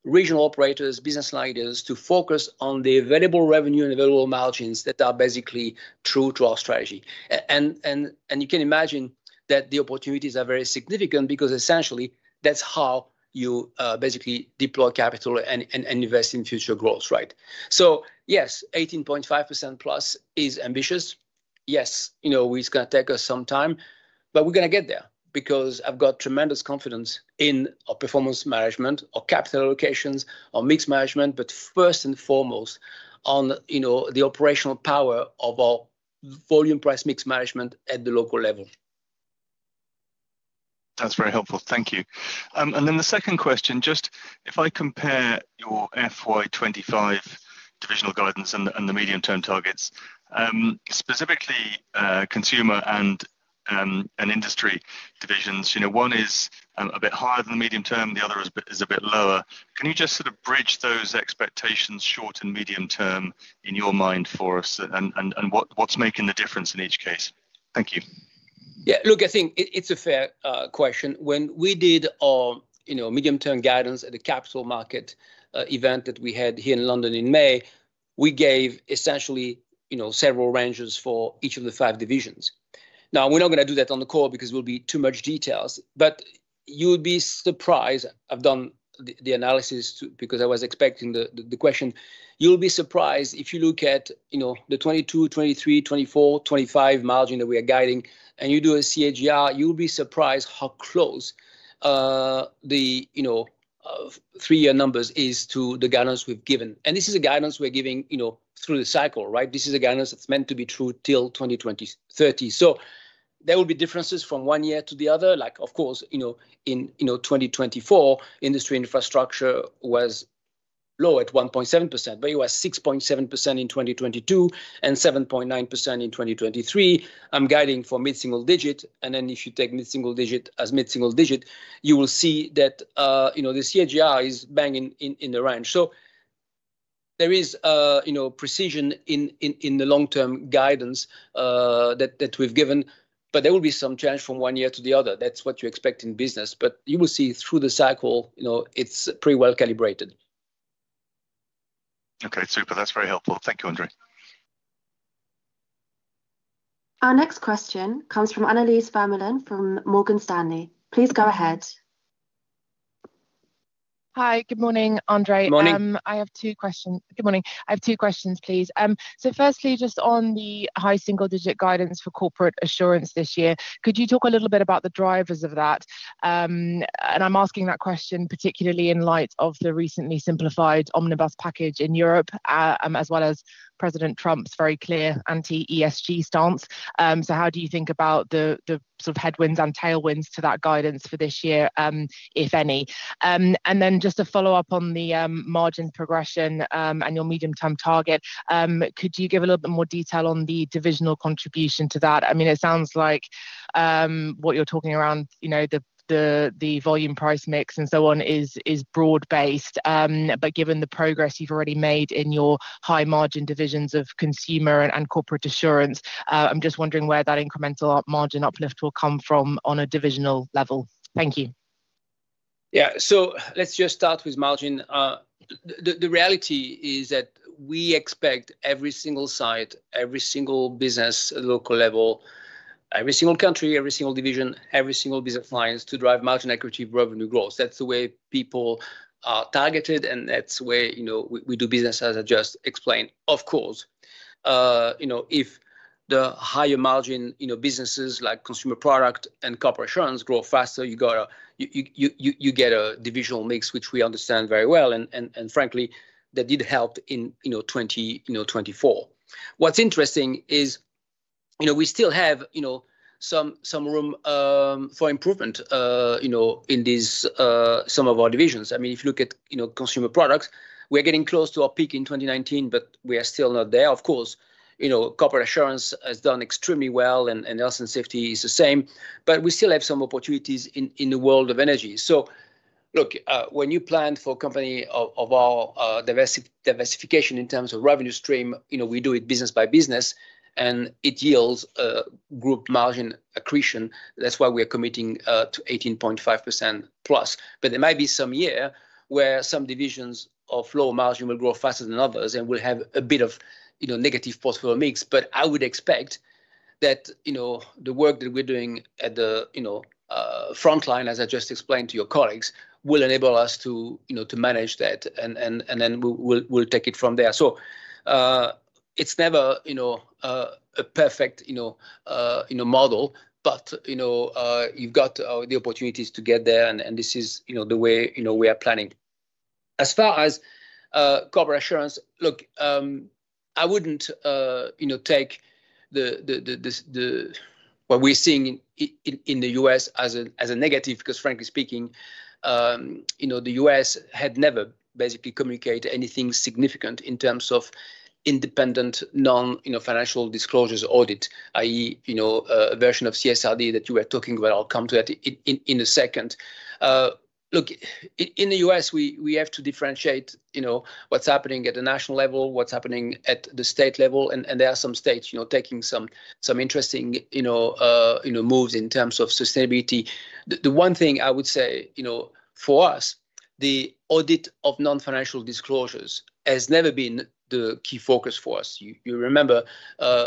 therefore regional operators, business liners to focus on the available revenue and available margins that are basically true to our strategy. And you can imagine that the opportunities are very significant because essentially that's how you basically deploy capital and invest in future growth, right? So yes, 18.5%+ is ambitious. Yes, it's going to take us some time, but we're going to get there because I've got tremendous confidence in our performance management, our capital allocations, our mixed management, but first and foremost on the operational power of our volume price mix management at the local level. That's very helpful. Thank you. And then the second question, just if I compare your FY 2025 divisional guidance and the medium-term targets, specifically Consumer and Industry divisions, one is a bit higher than the medium-term, the other is a bit lower. Can you just sort of bridge those expectations short and medium-term in your mind for us and what's making the difference in each case? Thank you. Yeah. Look, I think it's a fair question. When we did our medium-term guidance at the Capital Markets Event that we had here in London in May, we gave essentially several ranges for each of the five divisions. Now, we're not going to do that on the call because it will be too much details, but you would be surprised. I've done the analysis because I was expecting the question. You'll be surprised if you look at the 2022, 2023, 2024, 2025 margin that we are guiding, and you do a CAGR. You'll be surprised how close the three-year numbers are to the guidance we've given, and this is a guidance we're giving through the cycle, right? This is a guidance that's meant to be true till 2030. So there will be differences from one year to the other. Of course, in 2024, Industry and Infrastructure was low at 1.7%, but it was 6.7% in 2022 and 7.9% in 2023. I'm guiding for mid-single digit, and then if you take mid-single digit as mid-single digit, you will see that this CAGR is banging in the range. So there is precision in the long-term guidance that we've given, but there will be some change from one year to the other. That's what you expect in business, but you will see through the cycle, it's pretty well calibrated. Okay. Super. That's very helpful. Thank you, André. Our next question comes from Annelies Vermeulen from Morgan Stanley. Please go ahead. Hi. Good morning, André. Good morning. I have two questions. Good morning. I have two questions, please. So firstly, just on the high single-digit guidance for Corporate Assurance this year, could you talk a little bit about the drivers of that? And I'm asking that question particularly in light of the recently simplified omnibus package in Europe, as well as President Trump's very clear anti-ESG stance. So how do you think about the sort of headwinds and tailwinds to that guidance for this year, if any? And then just to follow-up on the margin progression and your medium-term target, could you give a little bit more detail on the divisional contribution to that? I mean, it sounds like what you're talking around, the volume price mix and so on is broad-based, but given the progress you've already made in high-margin divisions of Consumer and Corporate Assurance, I'm just wondering where that incremental margin uplift will come from on a divisional level. Thank you. Yeah. So let's just start with margin. The reality is that we expect every single site, every single business at local level, every single country, every single division, every single business lines to drive margin quality revenue growth. That's the way people are targeted, and that's the way we do business, as I just explained. Of course, if the higher margin businesses like Consumer Products and Corporate Assurance grow faster, you get a divisional mix, which we understand very well, and frankly, that did help in 2024. What's interesting is we still have some room for improvement in some of our divisions. I mean, if you look at Consumer Products, we're getting close to our peak in 2019, but we are still not there. Of course, Corporate Assurance has done extremely well, and Health and Safety is the same, but we still have some opportunities in the World of Energy. So look, when you plan for a company of our diversification in terms of revenue stream, we do it business by business, and it yields group margin accretion. That's why we are committing to 18.5%+. But there might be some year where some divisions of lower margin will grow faster than others and will have a bit of negative portfolio mix. But I would expect that the work that we're doing at the frontline, as I just explained to your colleagues, will enable us to manage that, and then we'll take it from there. So it's never a perfect model, but you've got the opportunities to get there, and this is the way we are planning. As far as Corporate Assurance, look, I wouldn't take what we're seeing in the U.S. as a negative because, frankly speaking, the U.S. had never basically communicated anything significant in terms of independent non-financial disclosures audit, i.e., a version of CSRD that you were talking about. I'll come to that in a second. Look, in the U.S., we have to differentiate what's happening at the national level, what's happening at the state level, and there are some states taking some interesting moves in terms of sustainability. The one thing I would say for us, the audit of non-financial disclosures has never been the key focus for us. You remember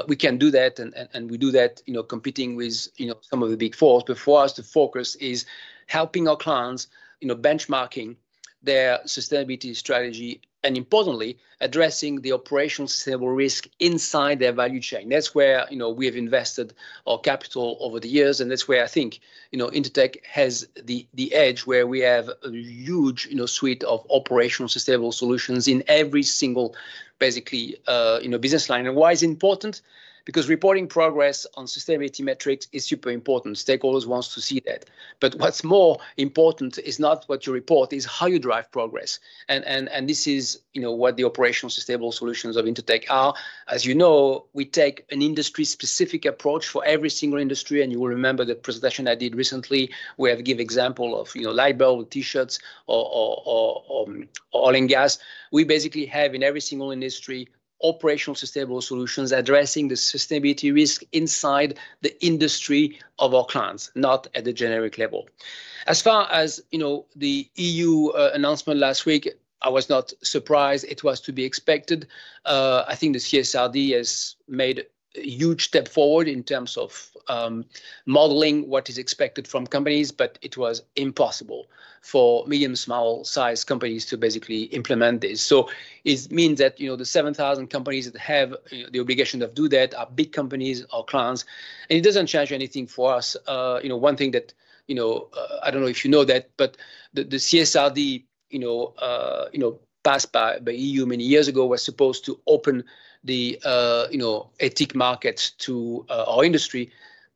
we can do that, and we do that competing with some of the Big Four, but for us, the focus is helping our clients benchmark their sustainability strategy and, importantly, addressing the operational sustainability risk inside their value chain. That's where we have invested our capital over the years, and that's where I think Intertek has the edge where we have a huge suite of operational sustainable solutions in every single basically business line. Why is it important? Because reporting progress on sustainability metrics is super important. Stakeholders want to see that. But what's more important is not what you report. It's how you drive progress. And this is what the operational sustainable solutions of Intertek are. As you know, we take an industry-specific approach for every single industry, and you will remember the presentation I did recently where I gave an example of light bulb, t-shirts or oil and gas. We basically have in every single industry operational sustainable solutions addressing the sustainability risk inside the industry of our clients, not at the generic level. As far as the EU announcement last week, I was not surprised. It was to be expected. I think the CSRD has made a huge step forward in terms of modeling what is expected from companies, but it was impossible for medium to small-sized companies to basically implement this. So it means that the 7,000 companies that have the obligation to do that are big companies or clients, and it doesn't change anything for us. One thing that I don't know if you know that, but the CSRD passed by EU many years ago was supposed to open the ATIC markets to our industry,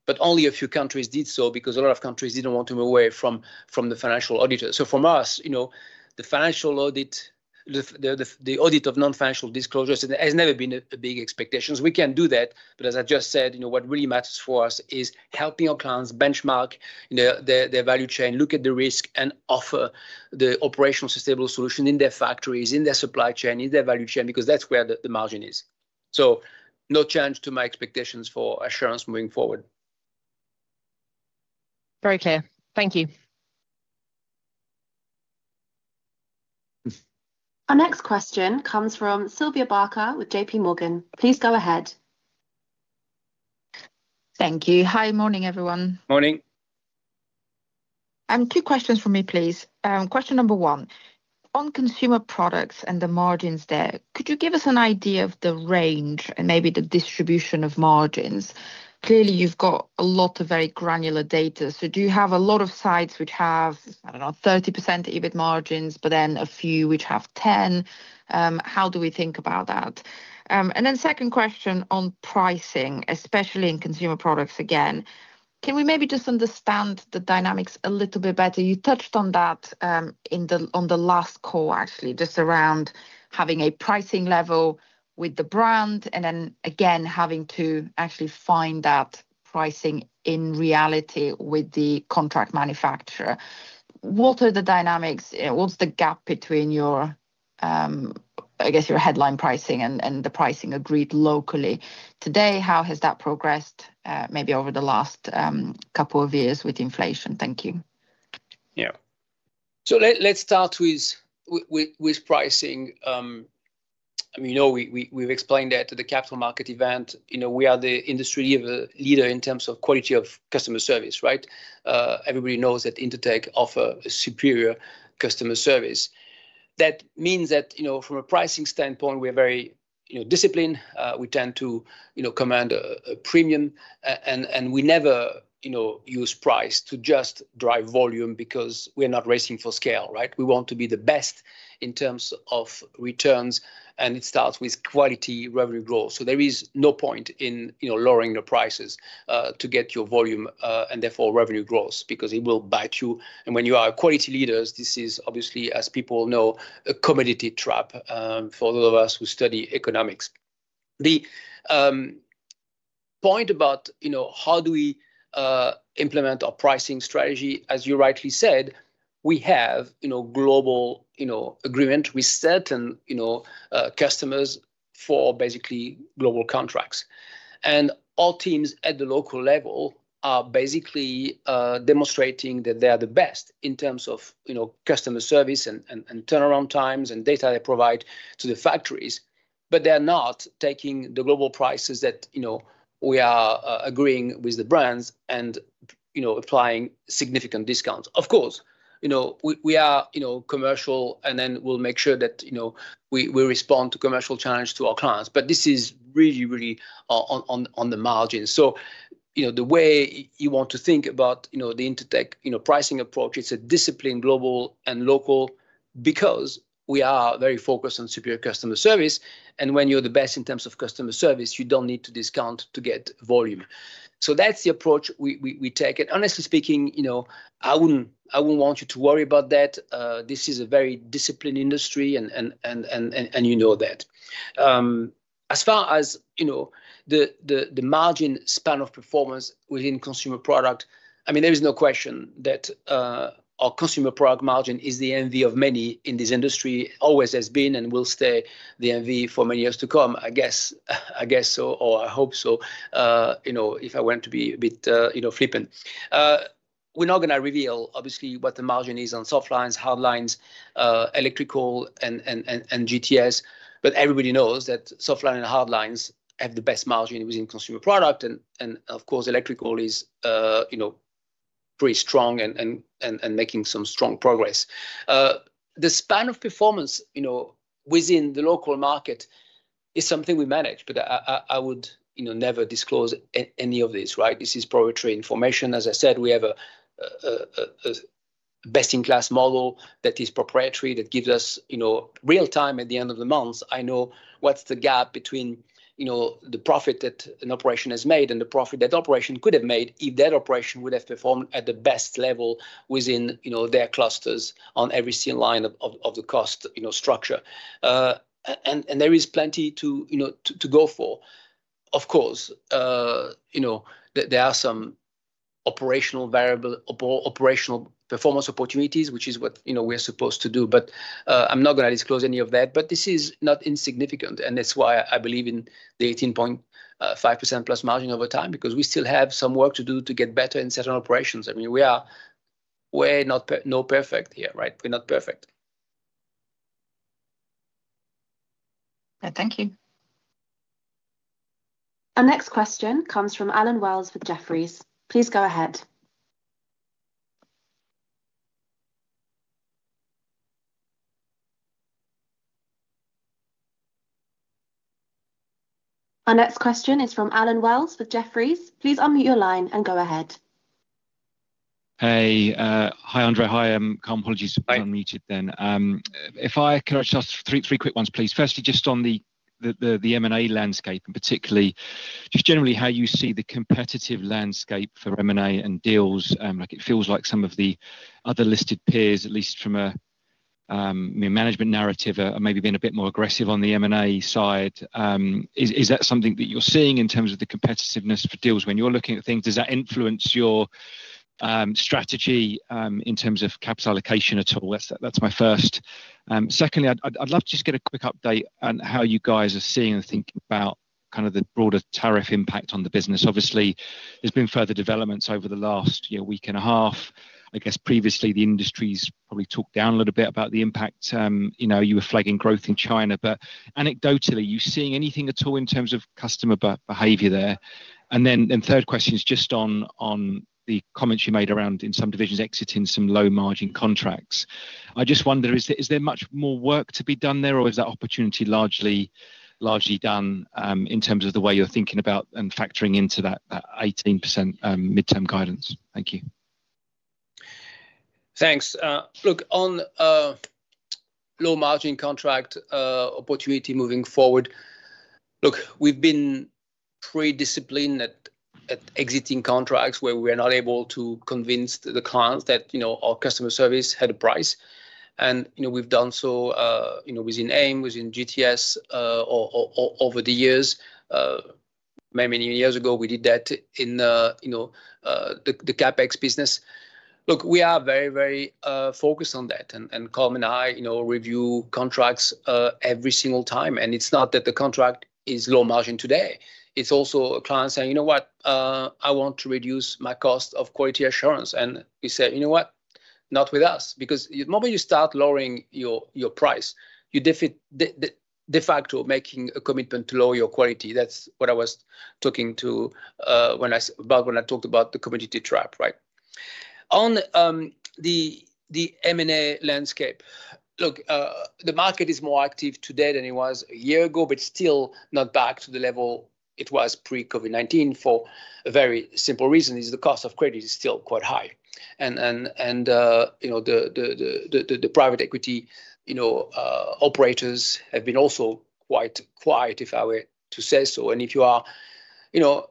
but only a few countries did so because a lot of countries didn't want to move away from the financial auditor. So for us, the financial audit, the audit of non-financial disclosures has never been a big expectation. We can do that, but as I just said, what really matters for us is helping our clients benchmark their value chain, look at the risk, and offer the operational sustainable solution in their factories, in their supply chain, in their value chain because that's where the margin is. So no change to my expectations for assurance moving forward. Very clear. Thank you. Our next question comes from Sylvia Barker with JPMorgan. Please go ahead. Thank you. Hi. Morning, everyone. Morning. Two questions from me, please. Question number one, on Consumer Products and the margins there, could you give us an idea of the range and maybe the distribution of margins? Clearly, you've got a lot of very granular data. So do you have a lot of sites which have, I don't know, 30% EBIT margins, but then a few which have 10%? How do we think about that? And then second question on pricing, especially in Consumer Products again. Can we maybe just understand the dynamics a little bit better? You touched on that on the last call, actually, just around having a pricing level with the brand and then again having to actually find that pricing in reality with the contract manufacturer. What are the dynamics? What's the gap between, I guess, your headline pricing and the pricing agreed locally? Today, how has that progressed maybe over the last couple of years with inflation? Thank you. Yeah. So let's start with pricing. We've explained that at the Capital Markets Event. We are the industry leader in terms of quality of customer service, right? Everybody knows that Intertek offers superior customer service. That means that from a pricing standpoint, we are very disciplined. We tend to command a premium, and we never use price to just drive volume because we are not racing for scale, right? We want to be the best in terms of returns, and it starts with quality revenue growth, so there is no point in lowering the prices to get your volume and therefore revenue growth because it will bite you, and when you are quality leaders, this is obviously, as people know, a commodity trap for those of us who study economics. The point about how do we implement our pricing strategy? As you rightly said, we have global agreement with certain customers for basically global contracts, and our teams at the local level are basically demonstrating that they are the best in terms of customer service and turnaround times and data they provide to the factories, but they are not taking the global prices that we are agreeing with the brands and applying significant discounts. Of course, we are commercial, and then we'll make sure that we respond to commercial challenges to our clients, but this is really, really on the margin. So the way you want to think about the Intertek pricing approach, it's a discipline, global and local, because we are very focused on superior customer service. And when you're the best in terms of customer service, you don't need to discount to get volume. So that's the approach we take. And honestly speaking, I wouldn't want you to worry about that. This is a very disciplined industry, and you know that. As far as the margin span of performance within Consumer Products, I mean, there is no question that our Consumer Products margin is the envy of many in this industry. Always has been and will stay the envy for many years to come, I guess, or I hope so, if I want to be a bit flippant. We're not going to reveal, obviously, what the margin is on Softlines, Hardlines, Electrical, and GTS, but everybody knows that Softlines and Hardlines have the best margin within Consumer Products. And of course, Electrical is pretty strong and making some strong progress. The span of performance within the local market is something we manage, but I would never disclose any of this, right? This is proprietary information. As I said, we have a best-in-class model that is proprietary that gives us real-time at the end of the month. I know what the gap is between the profit that an operation has made and the profit that an operation could have made if that operation would have performed at the best level within their clusters on every single line of the cost structure, and there is plenty to go for. Of course, there are some operational variable, operational performance opportunities, which is what we are supposed to do, but I'm not going to disclose any of that, but this is not insignificant, and that's why I believe in the 18.5%+ margin over time because we still have some work to do to get better in certain operations. I mean, we are not perfect here, right? We're not perfect. Thank you. Our next question comes from Allen Wells with Jefferies. Please go ahead. Our next question is from Allen Wells with Jefferies. Please unmute your line and go ahead. Hi, André. Hi, Colm. Apologies if I unmuted then. If I could ask just three quick ones, please. Firstly, just on the M&A landscape and particularly just generally how you see the competitive landscape for M&A and deals. It feels like some of the other listed peers, at least from a management narrative, are maybe being a bit more aggressive on the M&A side. Is that something that you're seeing in terms of the competitiveness for deals when you're looking at things? Does that influence your strategy in terms of capital allocation at all? That's my first. Secondly, I'd love to just get a quick update on how you guys are seeing and thinking about kind of the broader tariff impact on the business. Obviously, there's been further developments over the last week and a half. I guess previously, the industries probably talked down a little bit about the impact. You were flagging growth in China, but anecdotally, are you seeing anything at all in terms of customer behavior there? And then third question is just on the comments you made around, in some divisions exiting some low-margin contracts. I just wonder, is there much more work to be done there, or is that opportunity largely done in terms of the way you're thinking about and factoring into that 18% midterm guidance? Thank you. Thanks. Look, on low-margin contract opportunity moving forward, look, we've been pretty disciplined at exiting contracts where we are not able to convince the clients that our customer service had a price. And we've done so within AIM, within GTS over the years. Many, many years ago, we did that in the CapEx business. Look, we are very, very focused on that, and Colm and I review contracts every single time, and it's not that the contract is low-margin today. It's also a client saying, "You know what? I want to reduce my cost of quality assurance," and we say, "You know what? Not with us." Because the moment you start lowering your price, you're de facto making a commitment to lower your quality. That's what I was talking to about when I talked about the commodity trap, right? On the M&A landscape, look, the market is more active today than it was a year ago, but still not back to the level it was pre-COVID-19 for a very simple reason. The cost of credit is still quite high, and the private equity operators have been also quite quiet, if I were to say so. And if you are the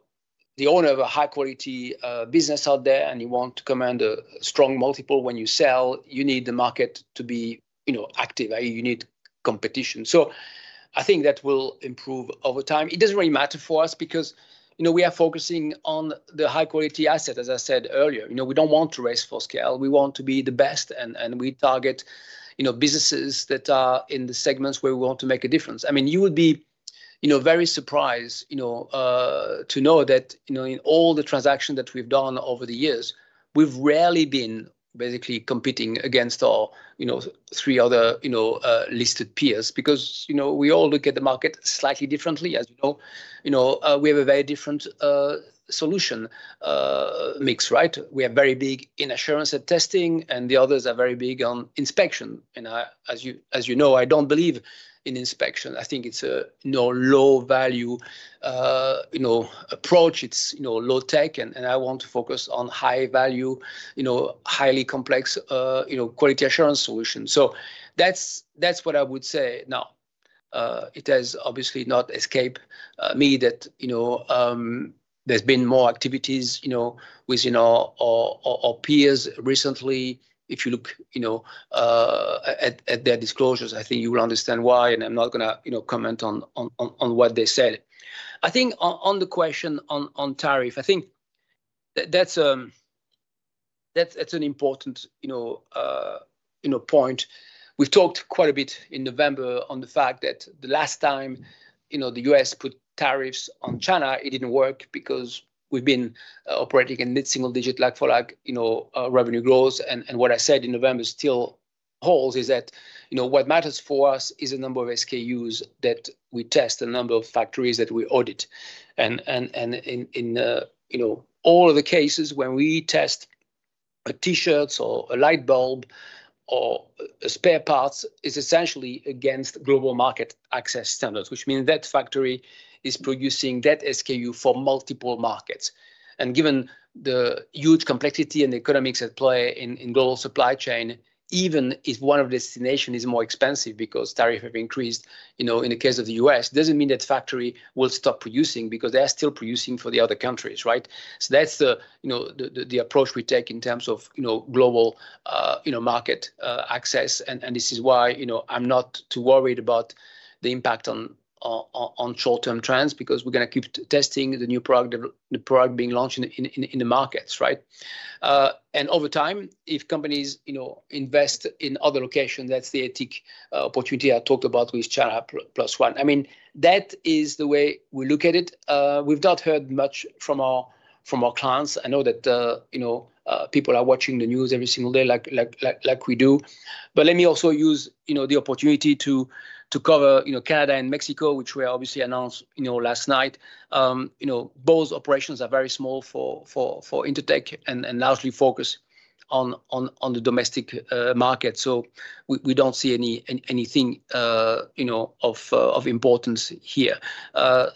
owner of a high-quality business out there and you want to command a strong multiple when you sell, you need the market to be active. You need competition. So I think that will improve over time. It doesn't really matter for us because we are focusing on the high-quality asset, as I said earlier. We don't want to race for scale. We want to be the best, and we target businesses that are in the segments where we want to make a difference. I mean, you would be very surprised to know that in all the transactions that we've done over the years, we've rarely been basically competing against our three other listed peers because we all look at the market slightly differently. As you know, we have a very different solution mix, right? We are very big in assurance and testing, and the others are very big on inspection, and as you know, I don't believe in inspection. I think it's a low-value approach. It's low-tech, and I want to focus on high-value, highly complex quality assurance solutions, so that's what I would say. Now, it has obviously not escaped me that there's been more activities within our peers recently. If you look at their disclosures, I think you will understand why, and I'm not going to comment on what they said. I think on the question on tariff, I think that's an important point. We've talked quite a bit in November on the fact that the last time the U.S. put tariffs on China, it didn't work because we've been operating in single-digit like-for-like revenue growth. What I said in November still holds is that what matters for us is the number of SKUs that we test, the number of factories that we audit. In all of the cases when we test a t-shirt or a light bulb or spare parts, it's essentially against global market access standards, which means that factory is producing that SKU for multiple markets. Given the huge complexity and the economics at play in global supply chain, even if one of the destinations is more expensive because tariffs have increased in the case of the U.S., it doesn't mean that factory will stop producing because they are still producing for the other countries, right? That's the approach we take in terms of global market access. This is why I'm not too worried about the impact on short-term trends because we're going to keep testing the new product, the product being launched in the markets, right? And over time, if companies invest in other locations, that's the exit opportunity I talked about with China Plus One. I mean, that is the way we look at it. We've not heard much from our clients. I know that people are watching the news every single day like we do. But let me also use the opportunity to cover Canada and Mexico, which were obviously announced last night. Both operations are very small for Intertek and largely focused on the domestic market. So we don't see anything of importance here.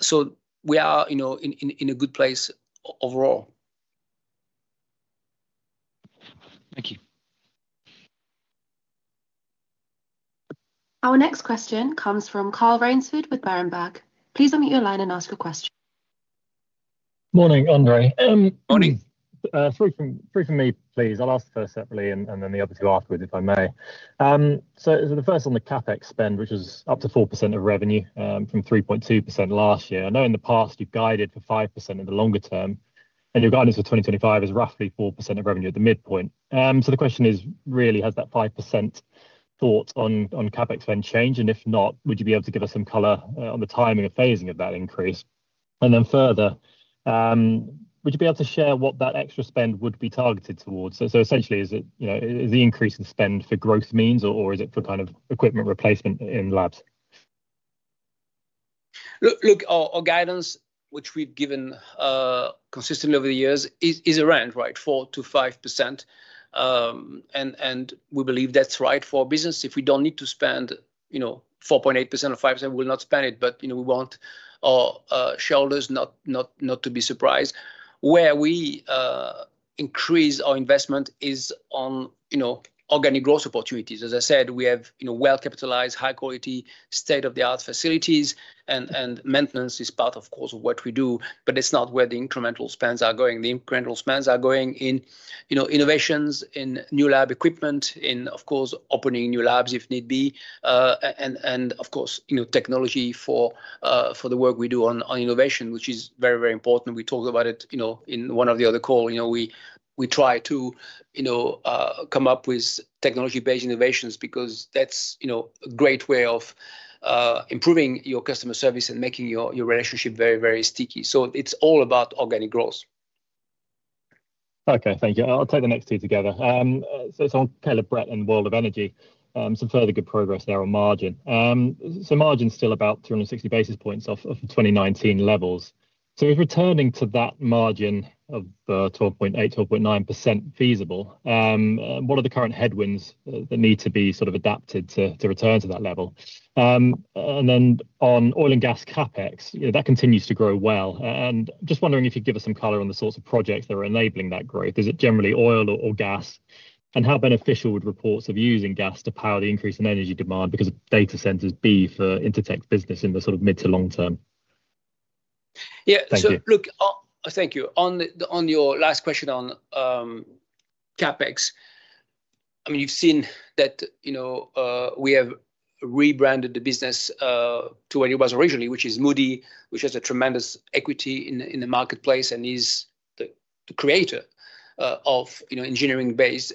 So we are in a good place overall. Thank you. Our next question comes from Carl Raynsford with Berenberg. Please unmute your line and ask a question. Morning, André. Morning. Three from me, please. I'll ask the first separately and then the other two afterwards, if I may. So the first on the CapEx spend, which was up to 4% of revenue from 3.2% last year. I know in the past, you've guided for 5% in the longer term, and your guidance for 2025 is roughly 4% of revenue at the midpoint. So the question is really, has that 5% thought on CapEx then changed? And if not, would you be able to give us some color on the timing of phasing of that increase? And then further, would you be able to share what that extra spend would be targeted towards? So essentially, is the increase in spend for growth means, or is it for kind of equipment replacement in labs? Look, our guidance, which we've given consistently over the years, is around, right, 4%-5%. And we believe that's right for our business. If we don't need to spend 4.8% or 5%, we will not spend it, but we want our shareholders not to be surprised. Where we increase our investment is on organic growth opportunities. As I said, we have well-capitalized, high-quality, state-of-the-art facilities, and maintenance is part, of course, of what we do, but it's not where the incremental spends are going. The incremental spends are going in innovations, in new lab equipment, in, of course, opening new labs if need be, and, of course, technology for the work we do on innovation, which is very, very important. We talked about it in one of the other calls. We try to come up with technology-based innovations because that's a great way of improving your customer service and making your relationship very, very sticky. So it's all about organic growth. Okay. Thank you. I'll take the next two together. So it's on Caleb Brett and World of Energy, some further good progress there on margin. So margin's still about 360 basis points off of 2019 levels. So if returning to that margin of 12.8%-12.9% feasible, what are the current headwinds that need to be sort of adapted to return to that level? And then on oil and gas CapEx, that continues to grow well. And just wondering if you'd give us some color on the sorts of projects that are enabling that growth. Is it generally oil or gas? And how beneficial would reports of using gas to power the increase in energy demand because data centers be for Intertek business in the sort of mid to long-term? Yeah, so look, thank you. On your last question on CapEx, I mean, you've seen that we have rebranded the business to where it was originally, which is Moody, which has a tremendous equity in the marketplace and is the creator of engineering-based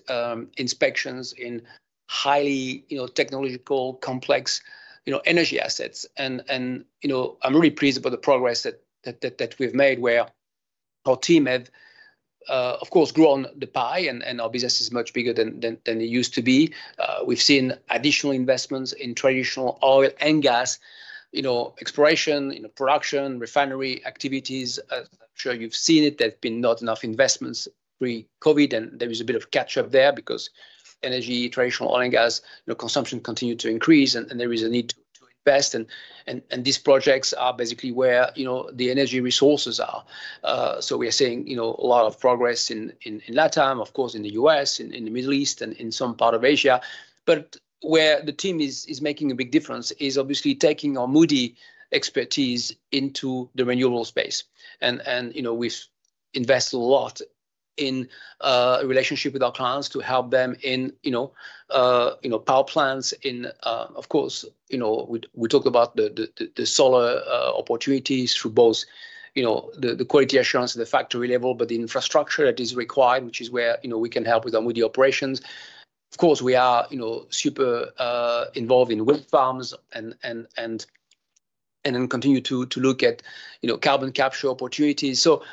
inspections in highly technological, complex energy assets. And I'm really pleased about the progress that we've made where our team have, of course, grown the pie, and our business is much bigger than it used to be. We've seen additional investments in traditional oil and gas exploration, production, refinery activities. I'm sure you've seen it. There's been not enough investments pre-COVID, and there was a bit of catch-up there because energy, traditional oil and gas consumption continued to increase, and there was a need to invest, and these projects are basically where the energy resources are, so we are seeing a lot of progress in that time, of course, in the U.S., in the Middle East, and in some part of Asia, but where the team is making a big difference is obviously taking our Moody expertise into the renewable space, and we've invested a lot in a relationship with our clients to help them in power plants, and, of course, we talked about the solar opportunities through both the quality assurance at the factory level, but the infrastructure that is required, which is where we can help with our Moody operations. Of course, we are super involved in wind farms and then continue to look at carbon capture opportunities. So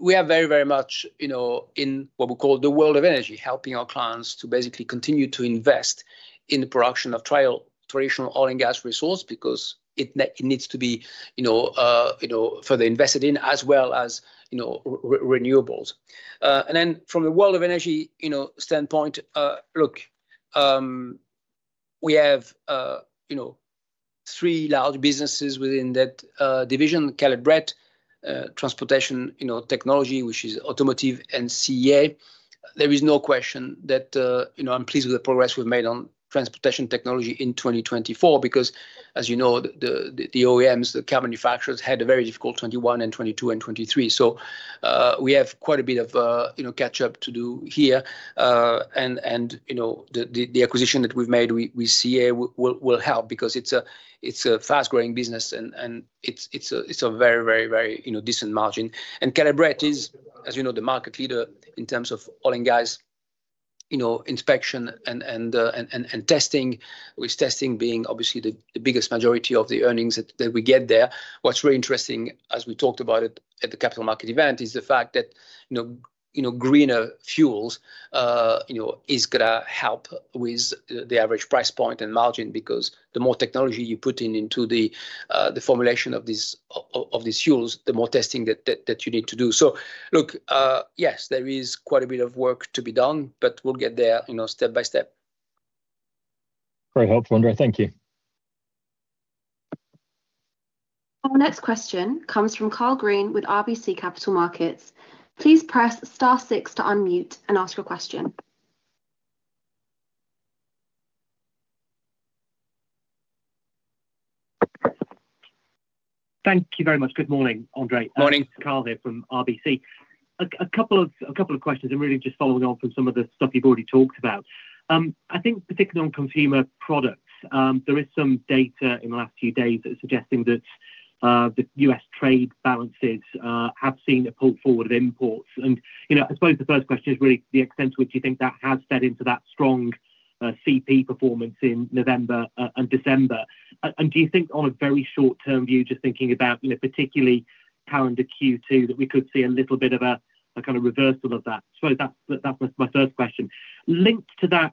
we are very, very much in what we call the World of Energy, helping our clients to basically continue to invest in the production of traditional oil and gas resources because it needs to be further invested in as well as renewables. And then from the World of Energy standpoint, look, we have three large businesses within that division: Caleb Brett, Transportation Technologies, which is automotive, and CEA. There is no question that I'm pleased with the progress we've made on Transportation Technologies in 2024 because, as you know, the OEMs, the car manufacturers, had a very difficult 2021 and 2022 and 2023. So we have quite a bit of catch-up to do here. The acquisition that we've made with CEA will help because it's a fast-growing business, and it's a very, very, very decent margin. Caleb Brett is, as you know, the market leader in terms of oil and gas inspection and testing, with testing being obviously the biggest majority of the earnings that we get there. What's really interesting, as we talked about it at the Capital Markets Event, is the fact that greener fuels is going to help with the average price point and margin because the more technology you put into the formulation of these fuels, the more testing that you need to do. So look, yes, there is quite a bit of work to be done, but we'll get there step by step. Very helpful, André. Thank you. Our next question comes from Karl Green with RBC Capital Markets. Please press star six to unmute and ask your question. Thank you very much. Good morning, André. Good morning. Karl here from RBC. A couple of questions. I'm really just following on from some of the stuff you've already talked about. I think particularly on Consumer Products, there is some data in the last few days that is suggesting that the U.S. trade balances have seen a pull forward of imports. And I suppose the first question is really the extent to which you think that has fed into that strong CP performance in November and December. And do you think on a very short-term view, just thinking about particularly calendar Q2, that we could see a little bit of a kind of reversal of that? So that's my first question. Linked to that,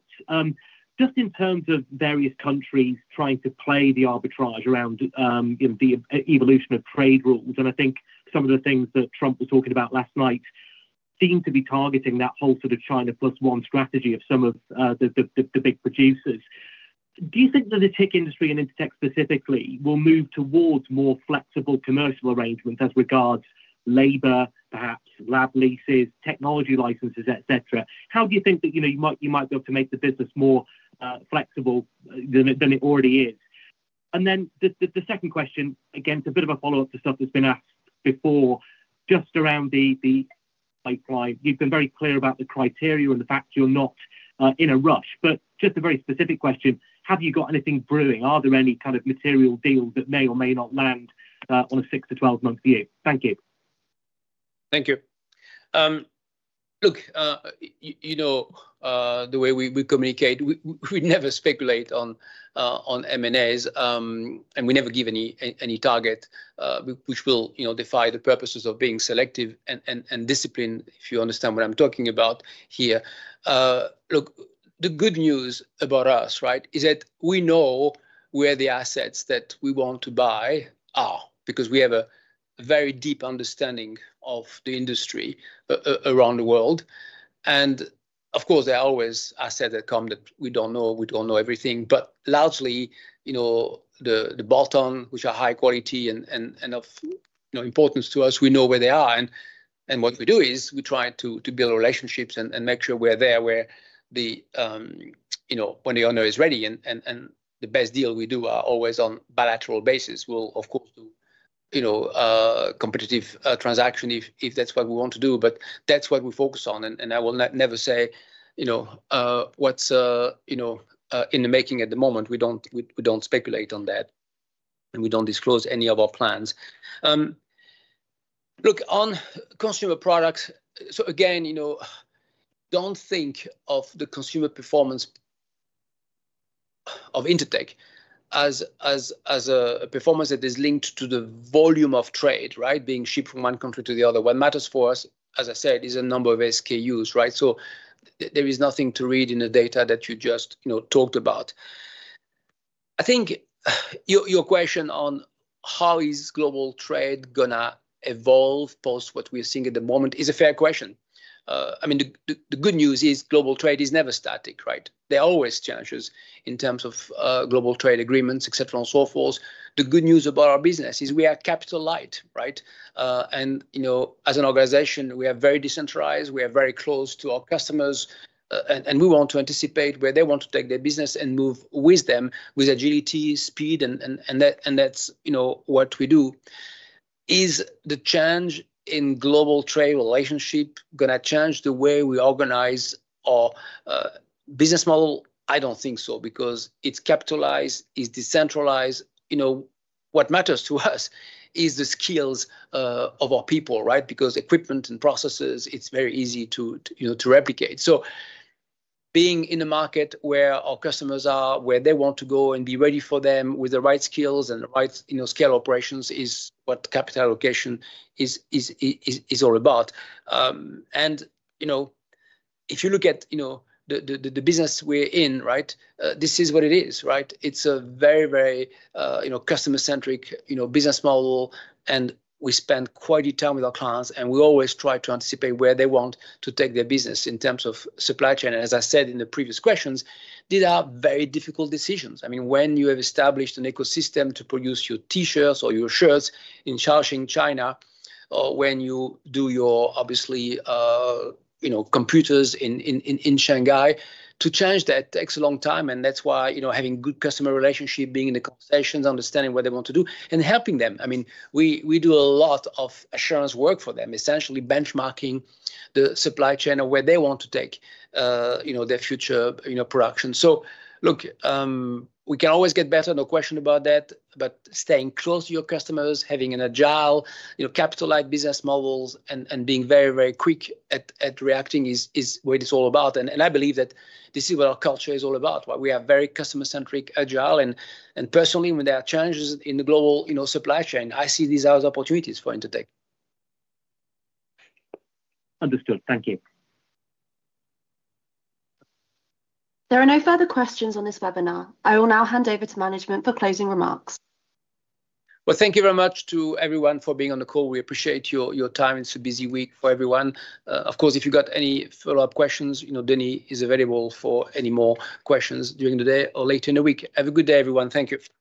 just in terms of various countries trying to play the arbitrage around the evolution of trade rules, and I think some of the things that Trump was talking about last night seem to be targeting that whole sort of China Plus One strategy of some of the big producers. Do you think that the tech industry and Intertek specifically will move towards more flexible commercial arrangements as regards labor, perhaps lab leases, technology licenses, etc.? How do you think that you might be able to make the business more flexible than it already is? And then the second question, again, it's a bit of a follow-up to stuff that's been asked before, just around the pipeline. You've been very clear about the criteria and the fact you're not in a rush. But just a very specific question. Have you got anything brewing? Are there any kind of material deals that may or may not land on a six to 12-month view? Thank you. Thank you. Look, the way we communicate, we never speculate on M&As, and we never give any target, which will defeat the purpose of being selective and disciplined, if you understand what I'm talking about here. Look, the good news about us, right, is that we know where the assets that we want to buy are because we have a very deep understanding of the industry around the world. And of course, there are always assets that come that we don't know. We don't know everything. But largely, the bolt-ons, which are high quality and of importance to us, we know where they are. And what we do is we try to build relationships and make sure we're there when the owner is ready. The best deal we do are always on bilateral basis. We'll, of course, do competitive transactions if that's what we want to do. That's what we focus on. I will never say what's in the making at the moment. We don't speculate on that, and we don't disclose any of our plans. Look, on Consumer Products, so again, don't think of the consumer performance of Intertek as a performance that is linked to the volume of trade, right, being shipped from one country to the other. What matters for us, as I said, is the number of SKUs, right? There is nothing to read in the data that you just talked about. I think your question on how is global trade going to evolve post what we are seeing at the moment is a fair question. I mean, the good news is global trade is never static, right? There are always challenges in terms of global trade agreements, etc., and so forth. The good news about our business is we are capital-light, right? And as an organization, we are very decentralized. We are very close to our customers, and we want to anticipate where they want to take their business and move with them with agility, speed, and that's what we do. Is the change in global trade relationship going to change the way we organize our business model? I don't think so because it's capitalized, it's decentralized. What matters to us is the skills of our people, right? Because equipment and processes, it's very easy to replicate. Being in a market where our customers are, where they want to go and be ready for them with the right skills and the right scale operations is what capital allocation is all about. If you look at the business we're in, right, this is what it is, right? It's a very, very customer-centric business model, and we spend quite a time with our clients, and we always try to anticipate where they want to take their business in terms of supply chain. As I said in the previous questions, these are very difficult decisions. I mean, when you have established an ecosystem to produce your t-shirts or your shirts in Changchun, China, or when you do your, obviously, computers in Shanghai, to change that takes a long time. That's why having good customer relationships, being in the conversations, understanding what they want to do, and helping them. I mean, we do a lot of assurance work for them, essentially benchmarking the supply chain of where they want to take their future production. So look, we can always get better, no question about that, but staying close to your customers, having an agile, capital-like business models, and being very, very quick at reacting is what it's all about. And I believe that this is what our culture is all about, where we are very customer-centric, agile. And personally, when there are challenges in the global supply chain, I see these as opportunities for Intertek. Understood. Thank you. There are no further questions on this webinar. I will now hand over to management for closing remarks. Thank you very much to everyone for being on the call. We appreciate your time. It's a busy week for everyone. Of course, if you've got any follow-up questions, Denis is available for any more questions during the day or later in the week. Have a good day, everyone. Thank you.